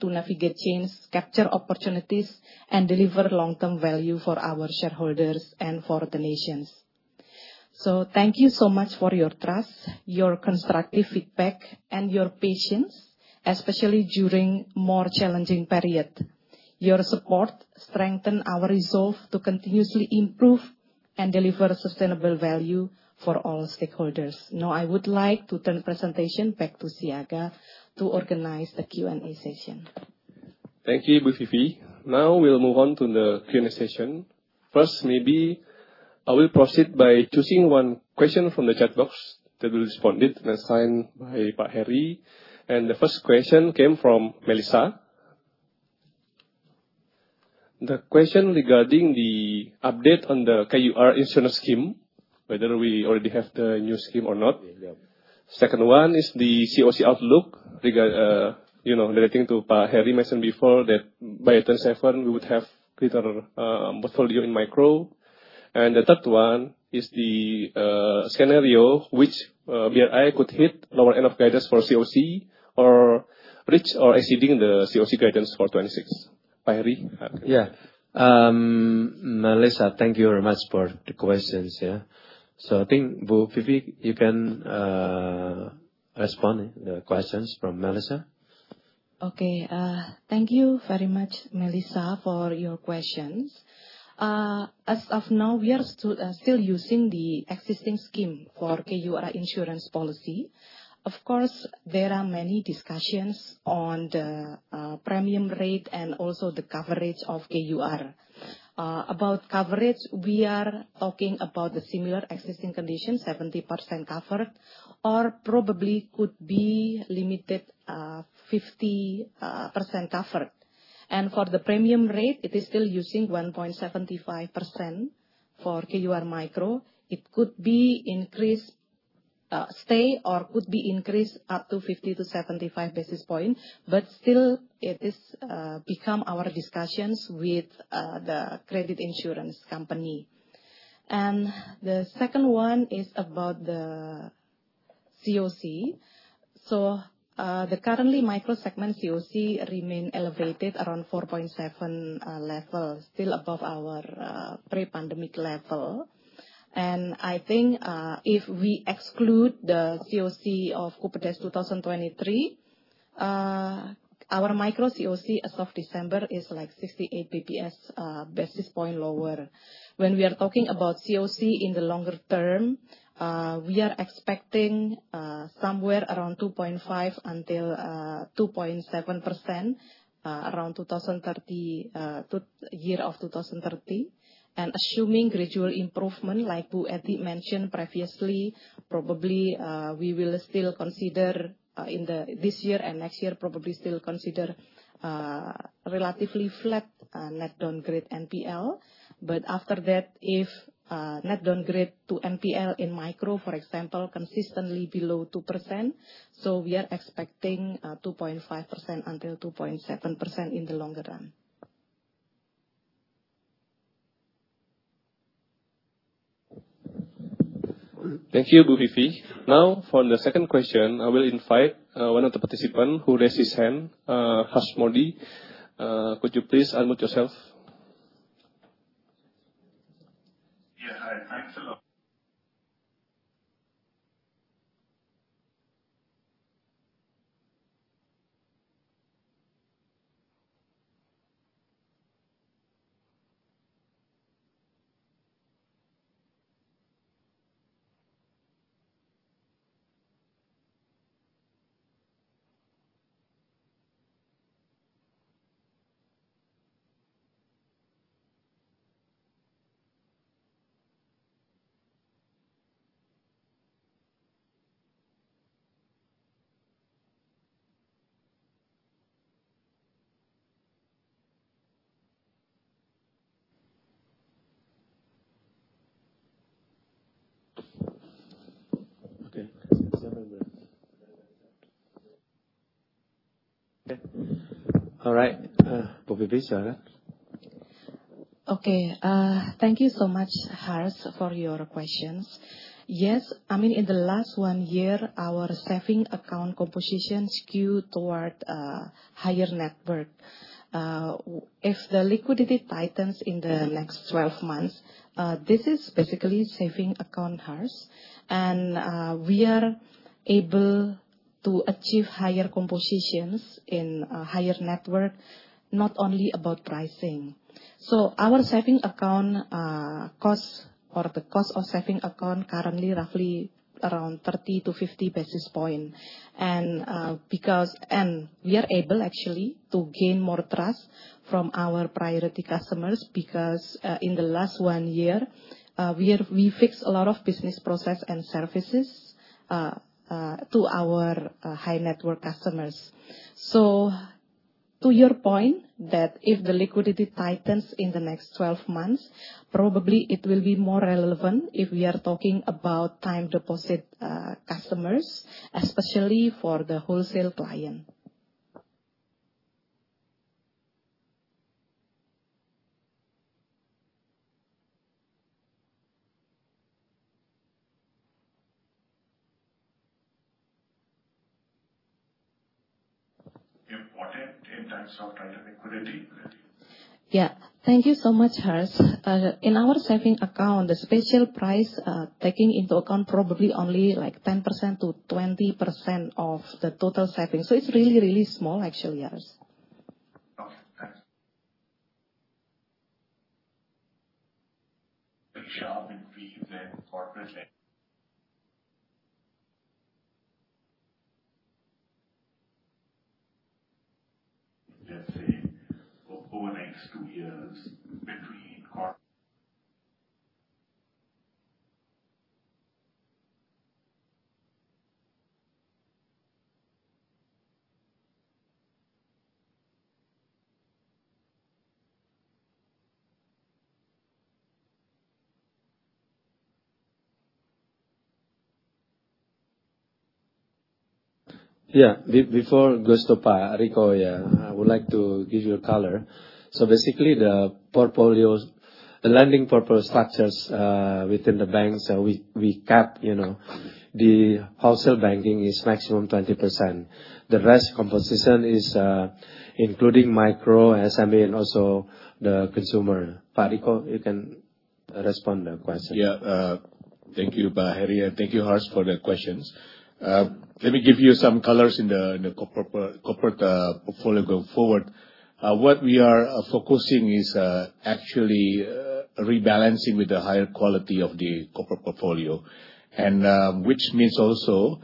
Speaker 3: to navigate change, capture opportunities, and deliver long-term value for our shareholders and for the nations. Thank you so much for your trust, your constructive feedback, and your patience, especially during more challenging period. Your support strengthen our resolve to continuously improve and deliver sustainable value for all stakeholders. Now, I would like to turn the presentation back to Siaga to organize the Q&A session.
Speaker 1: Thank you, Bu Vivi. Now we'll move on to the Q&A session. First, maybe I will proceed by choosing one question from the chat box that will respond it, and assigned by Pak Hery. The first question came from Melissa. The question regarding the update on the KUR insurance scheme, whether we already have the new scheme or not.
Speaker 2: Yeah. Yeah.
Speaker 1: Second one is the CoC outlook regard, you know, relating to Pak Heri mentioned before that by 10/7 we would have greater portfolio in micro. The third one is the scenario which BRI could hit lower end of guidance for CoC or reach or exceeding the CoC guidance for 2026. Pak Heri.
Speaker 2: Melissa, thank you very much for the questions. I think, Bu Vivi, you can respond the questions from Melissa.
Speaker 3: Okay. Thank you very much, Melissa, for your questions. As of now, we are still using the existing scheme for KUR insurance policy. Of course, there are many discussions on the premium rate and also the coverage of KUR. About coverage, we are talking about the similar existing condition, 70% covered, or probably could be limited, 50% covered. For the premium rate, it is still using 1.75%. For KUR micro, it could be increased, stay or could be increased up to 50 to 75 basis points. Still, it is become our discussions with the credit insurance company. The second one is about the CoC. The currently micro segment CoC remain elevated around 4.7 level, still above our pre-pandemic level. I think, if we exclude the CoC of Kupedes 2023, our micro CoC as of December is like 68 basis points lower. When we are talking about CoC in the longer term, we are expecting somewhere around 2.5%-2.7% around 2030. Assuming gradual improvement, like Bu Etty mentioned previously, probably we will still consider in the this year and next year, probably still consider relatively flat net downgrade NPL. After that, if net downgrade to NPL in micro, for example, consistently below 2%, so we are expecting 2.5%-2.7% in the longer run.
Speaker 4: Thank you, Bu Vivi. For the second question, I will invite one of the participant who raised his hand, Harsh Modi. Could you please unmute yourself?
Speaker 3: Yeah. Hi, thanks a lot.
Speaker 4: Okay. All right. Bu Vivi, it's yours.
Speaker 3: Okay. Thank you so much, Harsh, for your questions. Yes. I mean, in the last 1 year, our saving account composition skewed toward higher net worth. If the liquidity tightens in the next 12 months, this is basically saving account, Harsh. We are able to achieve higher compositions in a higher net worth, not only about pricing. Our saving account costs or the cost of saving account currently roughly around 30 to 50 basis point. Because we are able actually to gain more trust from our priority customers because in the last 1 year, we fixed a lot of business process and services to our high net worth customers. To your point that if the liquidity tightens in the next 12 months, probably it will be more relevant if we are talking about time deposit customers, especially for the wholesale client. Important in terms of liquidity. Thank you so much, Harsh. In our saving account, the special price, taking into account probably only, like, 10% to 20% of the total savings. It's really, really small actually, Harsh. Okay, thanks. The jump in fees and corporate, let's say, over the next two years between.
Speaker 4: Yeah. before goes to Pak Riko, yeah, I would like to give you a color. Basically, the lending purpose structures within the banks, we cap, you know. The wholesale banking is maximum 20%. The rest composition is including micro, SME, and also the consumer. Pak Riko, you can respond the question.
Speaker 8: Yeah. Thank you, Pak Hery, and thank you, Harsh, for the questions. Let me give you some colors in the corporate portfolio going forward. What we are focusing is actually rebalancing with the higher quality of the corporate portfolio. Which means also,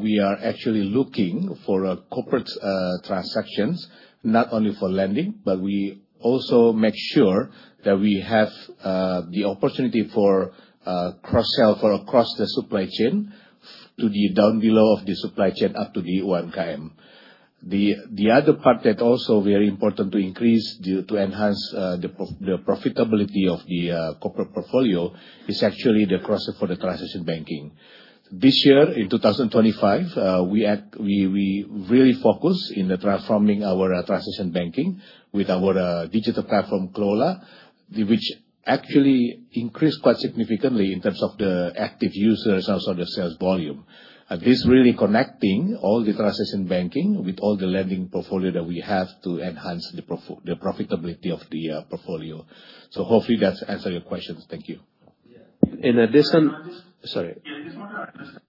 Speaker 8: we are actually looking for a corporate transactions, not only for lending, but we also make sure that we have the opportunity for cross-sell for across the supply chain to the down below of the supply chain, up to the 1 km. The other part that also very important to enhance the profitability of the corporate portfolio is actually the cross for the transaction banking. This year, in 2025, we really focus in transforming our transaction banking with our digital platform, Qlola, which actually increased quite significantly in terms of the active users, also the sales volume. This really connecting all the transaction banking with all the lending portfolio that we have to enhance the profitability of the portfolio. Hopefully that's answer your questions. Thank you. In addition-
Speaker 1: Sorry, can I just.
Speaker 8: Sorry.
Speaker 1: Yeah, just want to...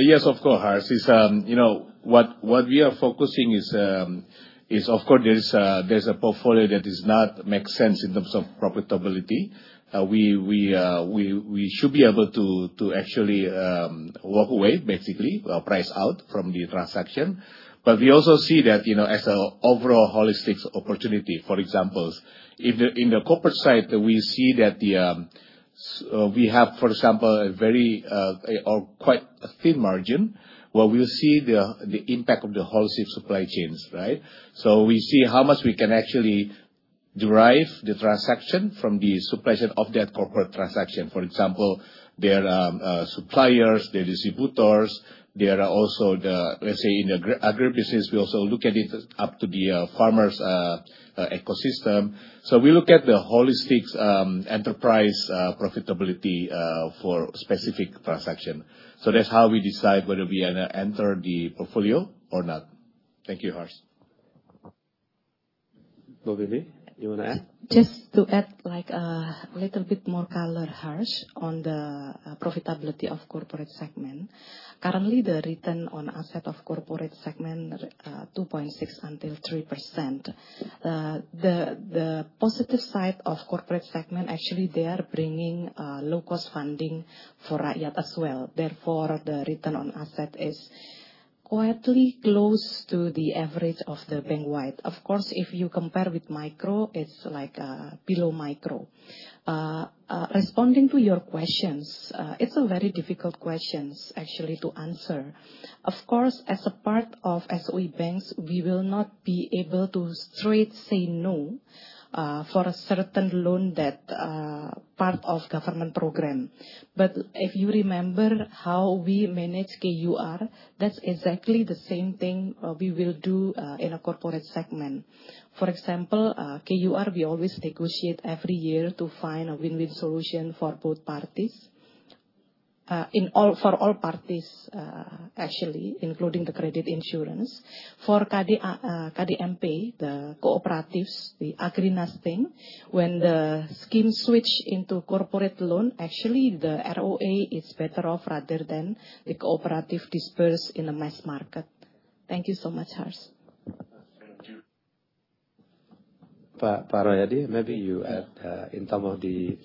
Speaker 8: Yes, of course, Harsh. Is, you know, what we are focusing is, of course there is, there's a portfolio that does not make sense in terms of profitability. We should be able to actually walk away basically or price out from the transaction. We also see that, you know, as an overall holistic opportunity. For example, in the corporate side, we see that the, we have, for example, a very or quite a thin margin, where we see the impact of the holistic supply chains, right. We see how much we can actually derive the transaction from the suppliers of that corporate transaction. For example, their suppliers, their distributors. There are also the, let's say in agri-agribusiness, we also look at it up to the farmers' ecosystem. We look at the holistic enterprise profitability for specific transaction. That's how we decide whether we enter the portfolio or not. Thank you, Harsh. Bu Vivi, you wanna add?
Speaker 3: Just to add, like, a little bit more color, Harsh, on the profitability of corporate segment. Currently, the return on asset of corporate segment, 2.6% until 3%. The positive side of corporate segment, actually they are bringing low-cost funding for Rakyat as well. Therefore, the return on asset is quietly close to the average of the bank-wide. Of course, if you compare with micro, it's like, below micro. Responding to your questions, it's a very difficult questions actually to answer. Of course, as a part of SOE banks, we will not be able to straight say no for a certain loan that part of government program. If you remember how we manage KUR, that's exactly the same thing we will do in a corporate segment. For example, KUR, we always negotiate every year to find a win-win solution for both parties. For all parties, actually, including the credit insurance. For KAD, KDMP, the cooperatives, the Agrinas thing, when the scheme switch into corporate loan, actually the ROA is better off rather than the cooperative dispersed in the mass market. Thank you so much, Harsh.
Speaker 1: Thank you.
Speaker 8: Pak Royadi, maybe you add, in term of the,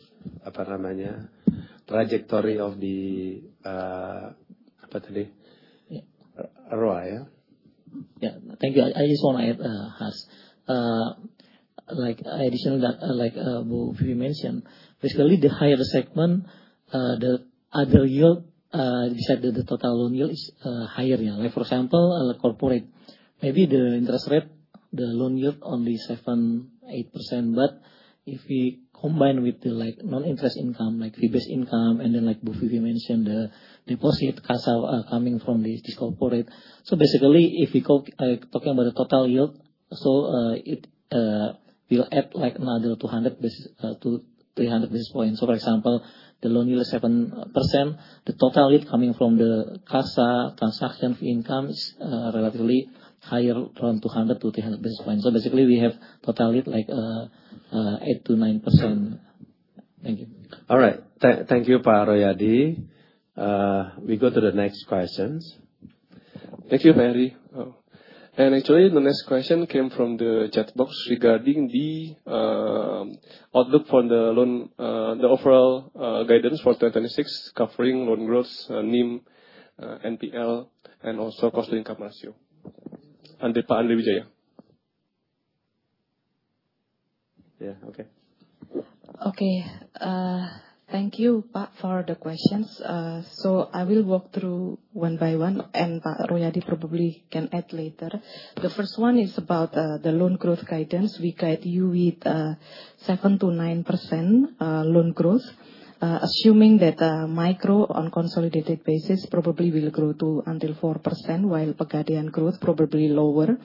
Speaker 8: trajectory of the. Yeah. ROA.
Speaker 4: Yeah. Thank you. I just want to add, Harsh, like additional, like, Bu Vivi mentioned, basically the higher segment, the other yield, beside the total loan yield is higher. Like for example, corporate, maybe the interest rate, the loan yield only 7%, 8%. But if we combine with the, like, non-interest income, like fee-based income, and then like Bu Vivi mentioned, the deposit CASA, coming from this corporate. Basically, if we talking about the total yield, it will add like another 200 basis to 300 basis points. For example, the loan yield is 7%, the total yield coming from the CASA transaction fee income is relatively higher, around 200-300 basis points. Basically we have total yield, like, 8%-9%. Thank you.
Speaker 8: All right. Thank you, Pak Royadi. We go to the next questions.
Speaker 1: Thank you, Harry. Actually, the next question came from the chat box regarding the outlook for the loan, the overall guidance for 2026, covering loan growth, NIM, NPL, and also cost to income ratio. To Pak Andrey Andrijanto.
Speaker 8: Yeah. Okay.
Speaker 3: Okay. Thank you, Pak, for the questions. I will walk through one by one, and Pak Royadi probably can add later. The first one is about the loan growth guidance. We guide you with 7%-9% loan growth. Assuming that micro on consolidated basis probably will grow to until 4%, while Pegadaian growth probably lower.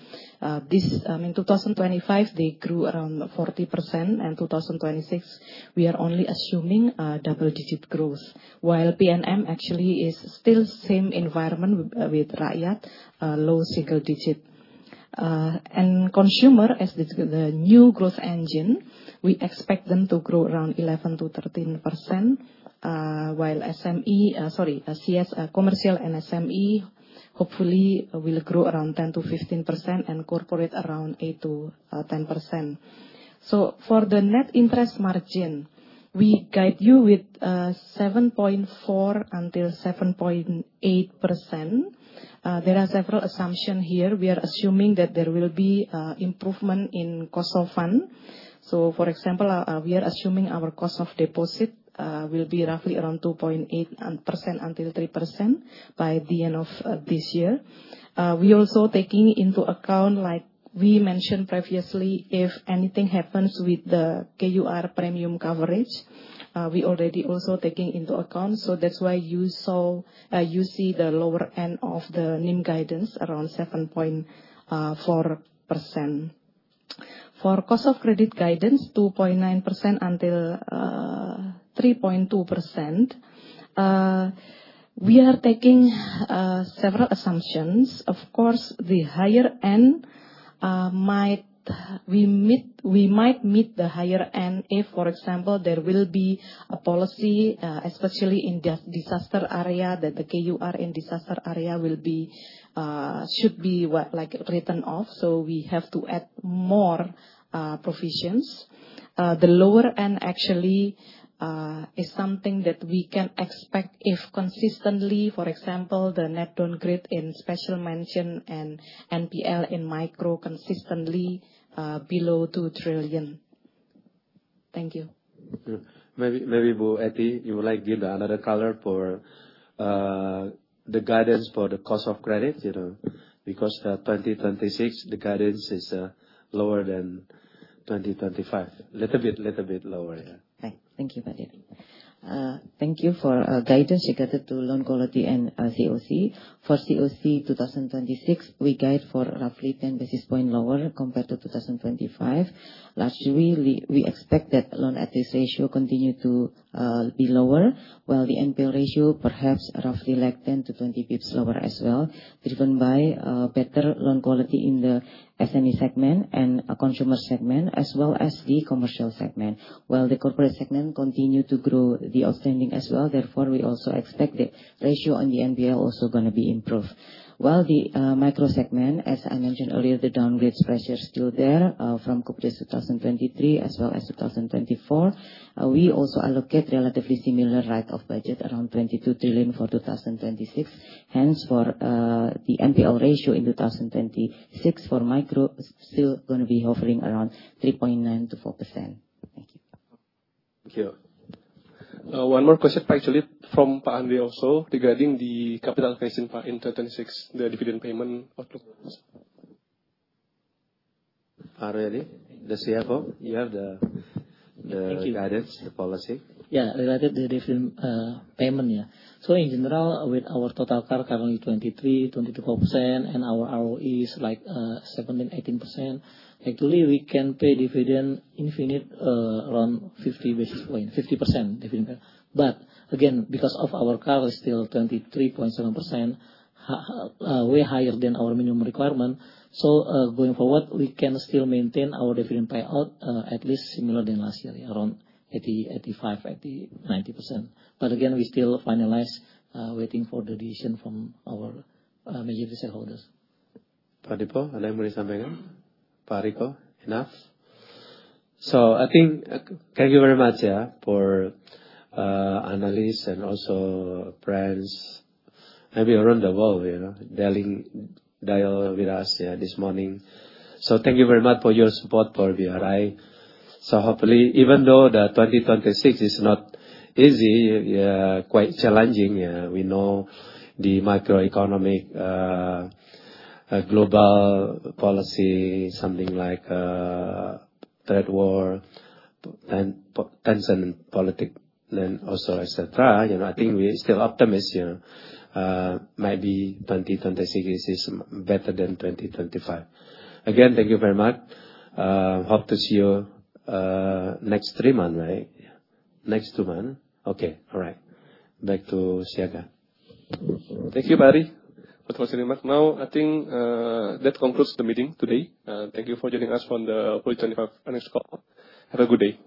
Speaker 3: This in 2025, they grew around 40%. In 2026, we are only assuming double-digit growth, while PNM actually is still same environment with Rakyat, low single-digit. Consumer, as the new growth engine, we expect them to grow around 11%-13%, while commercial and SME hopefully will grow around 10%-15% and corporate around 8%-10%. For the net interest margin, we guide you with 7.4%-7.8%. There are several assumptions here. We are assuming that there will be improvement in cost of fund. For example, we are assuming our cost of deposit will be roughly around 2.8%-3% by the end of this year. We also taking into account, like we mentioned previously, if anything happens with the KUR premium coverage, we already also taking into account. That's why you saw... you see the lower end of the NIM guidance around 7.4%. For Cost of Credit guidance, 2.9% until 3.2%. We are taking several assumptions. Of course, the higher end might. We might meet the higher end if, for example, there will be a policy, especially in disaster area, that the KUR in disaster area will be, should be what? Like, written off. So we have to add more provisions. The lower end actually is something that we can expect if consistently, for example, the net downgrade in special mention and NPL in micro consistently below 2 trillion. Thank you.
Speaker 2: Maybe Bu Etty, you would like give another color for the guidance for the Cost of Credit, you know. 2026, the guidance is lower than 2025. Little bit lower. Yeah.
Speaker 6: Okay. Thank you, Pak Edi. Thank you for guidance regarding to loan quality and CoC. For CoC 2026, we guide for roughly 10 basis point lower compared to 2025. Last year, we expect that loan at this ratio continue to be lower, while the NPL ratio perhaps roughly like 10-20 bps lower as well, driven by better loan quality in the SME segment and a consumer segment, as well as the commercial segment, while the corporate segment continue to grow the outstanding as well. We also expect the ratio on the NPL also gonna be improved. The micro segment, as I mentioned earlier, the downgrades pressure is still there from Kupedes 2023 as well as 2024. We also allocate relatively similar right of budget, around 22 trillion for 2026. For the NPL ratio in 2026 for micro is still gonna be hovering around 3.9% to 4%. Thank you.
Speaker 2: Thank you.
Speaker 1: One more question, Pak, actually from Pak Andri also regarding the capital raising, Pak, in 2026, the dividend payment for 2,000.
Speaker 2: Edi Susianto, the CFO, you have the guidance, the policy.
Speaker 4: Regarding the dividend, payment, yeah. In general, with our total CAR currently 23%-24% and our ROE is like, 17%-18%, actually we can pay dividend infinite, around 50 basis points, 50% dividend pay. Again, because of our CAR is still 23.7%, way higher than our minimum requirement. Going forward, we can still maintain our dividend payout, at least similar than last year, around 80%, 85%, 80%, 90%. Again, we still finalize, waiting for the decision from our majority shareholders.
Speaker 2: Pak Dipo, ada yang mau disampingkan? Pak Riko, enough? I think, thank you very much, yeah, for analysts and also friends, maybe around the world, you know, dial with us, yeah, this morning. Thank you very much for your support for BRI. Hopefully, even though the 2026 is not easy, quite challenging, we know the macroeconomic, global policy, something like third war, tension in politic and also et cetera, you know, I think we're still optimistic, maybe 2026 is better than 2025. Again, thank you very much. Hope to see you next 3 months, right? Next 2 months. Okay. All right. Back to Siaga.
Speaker 1: Thank you, Pak Ari, for closing remark. I think, that concludes the meeting today. Thank you for joining us on the 2025 earnings call. Have a good day.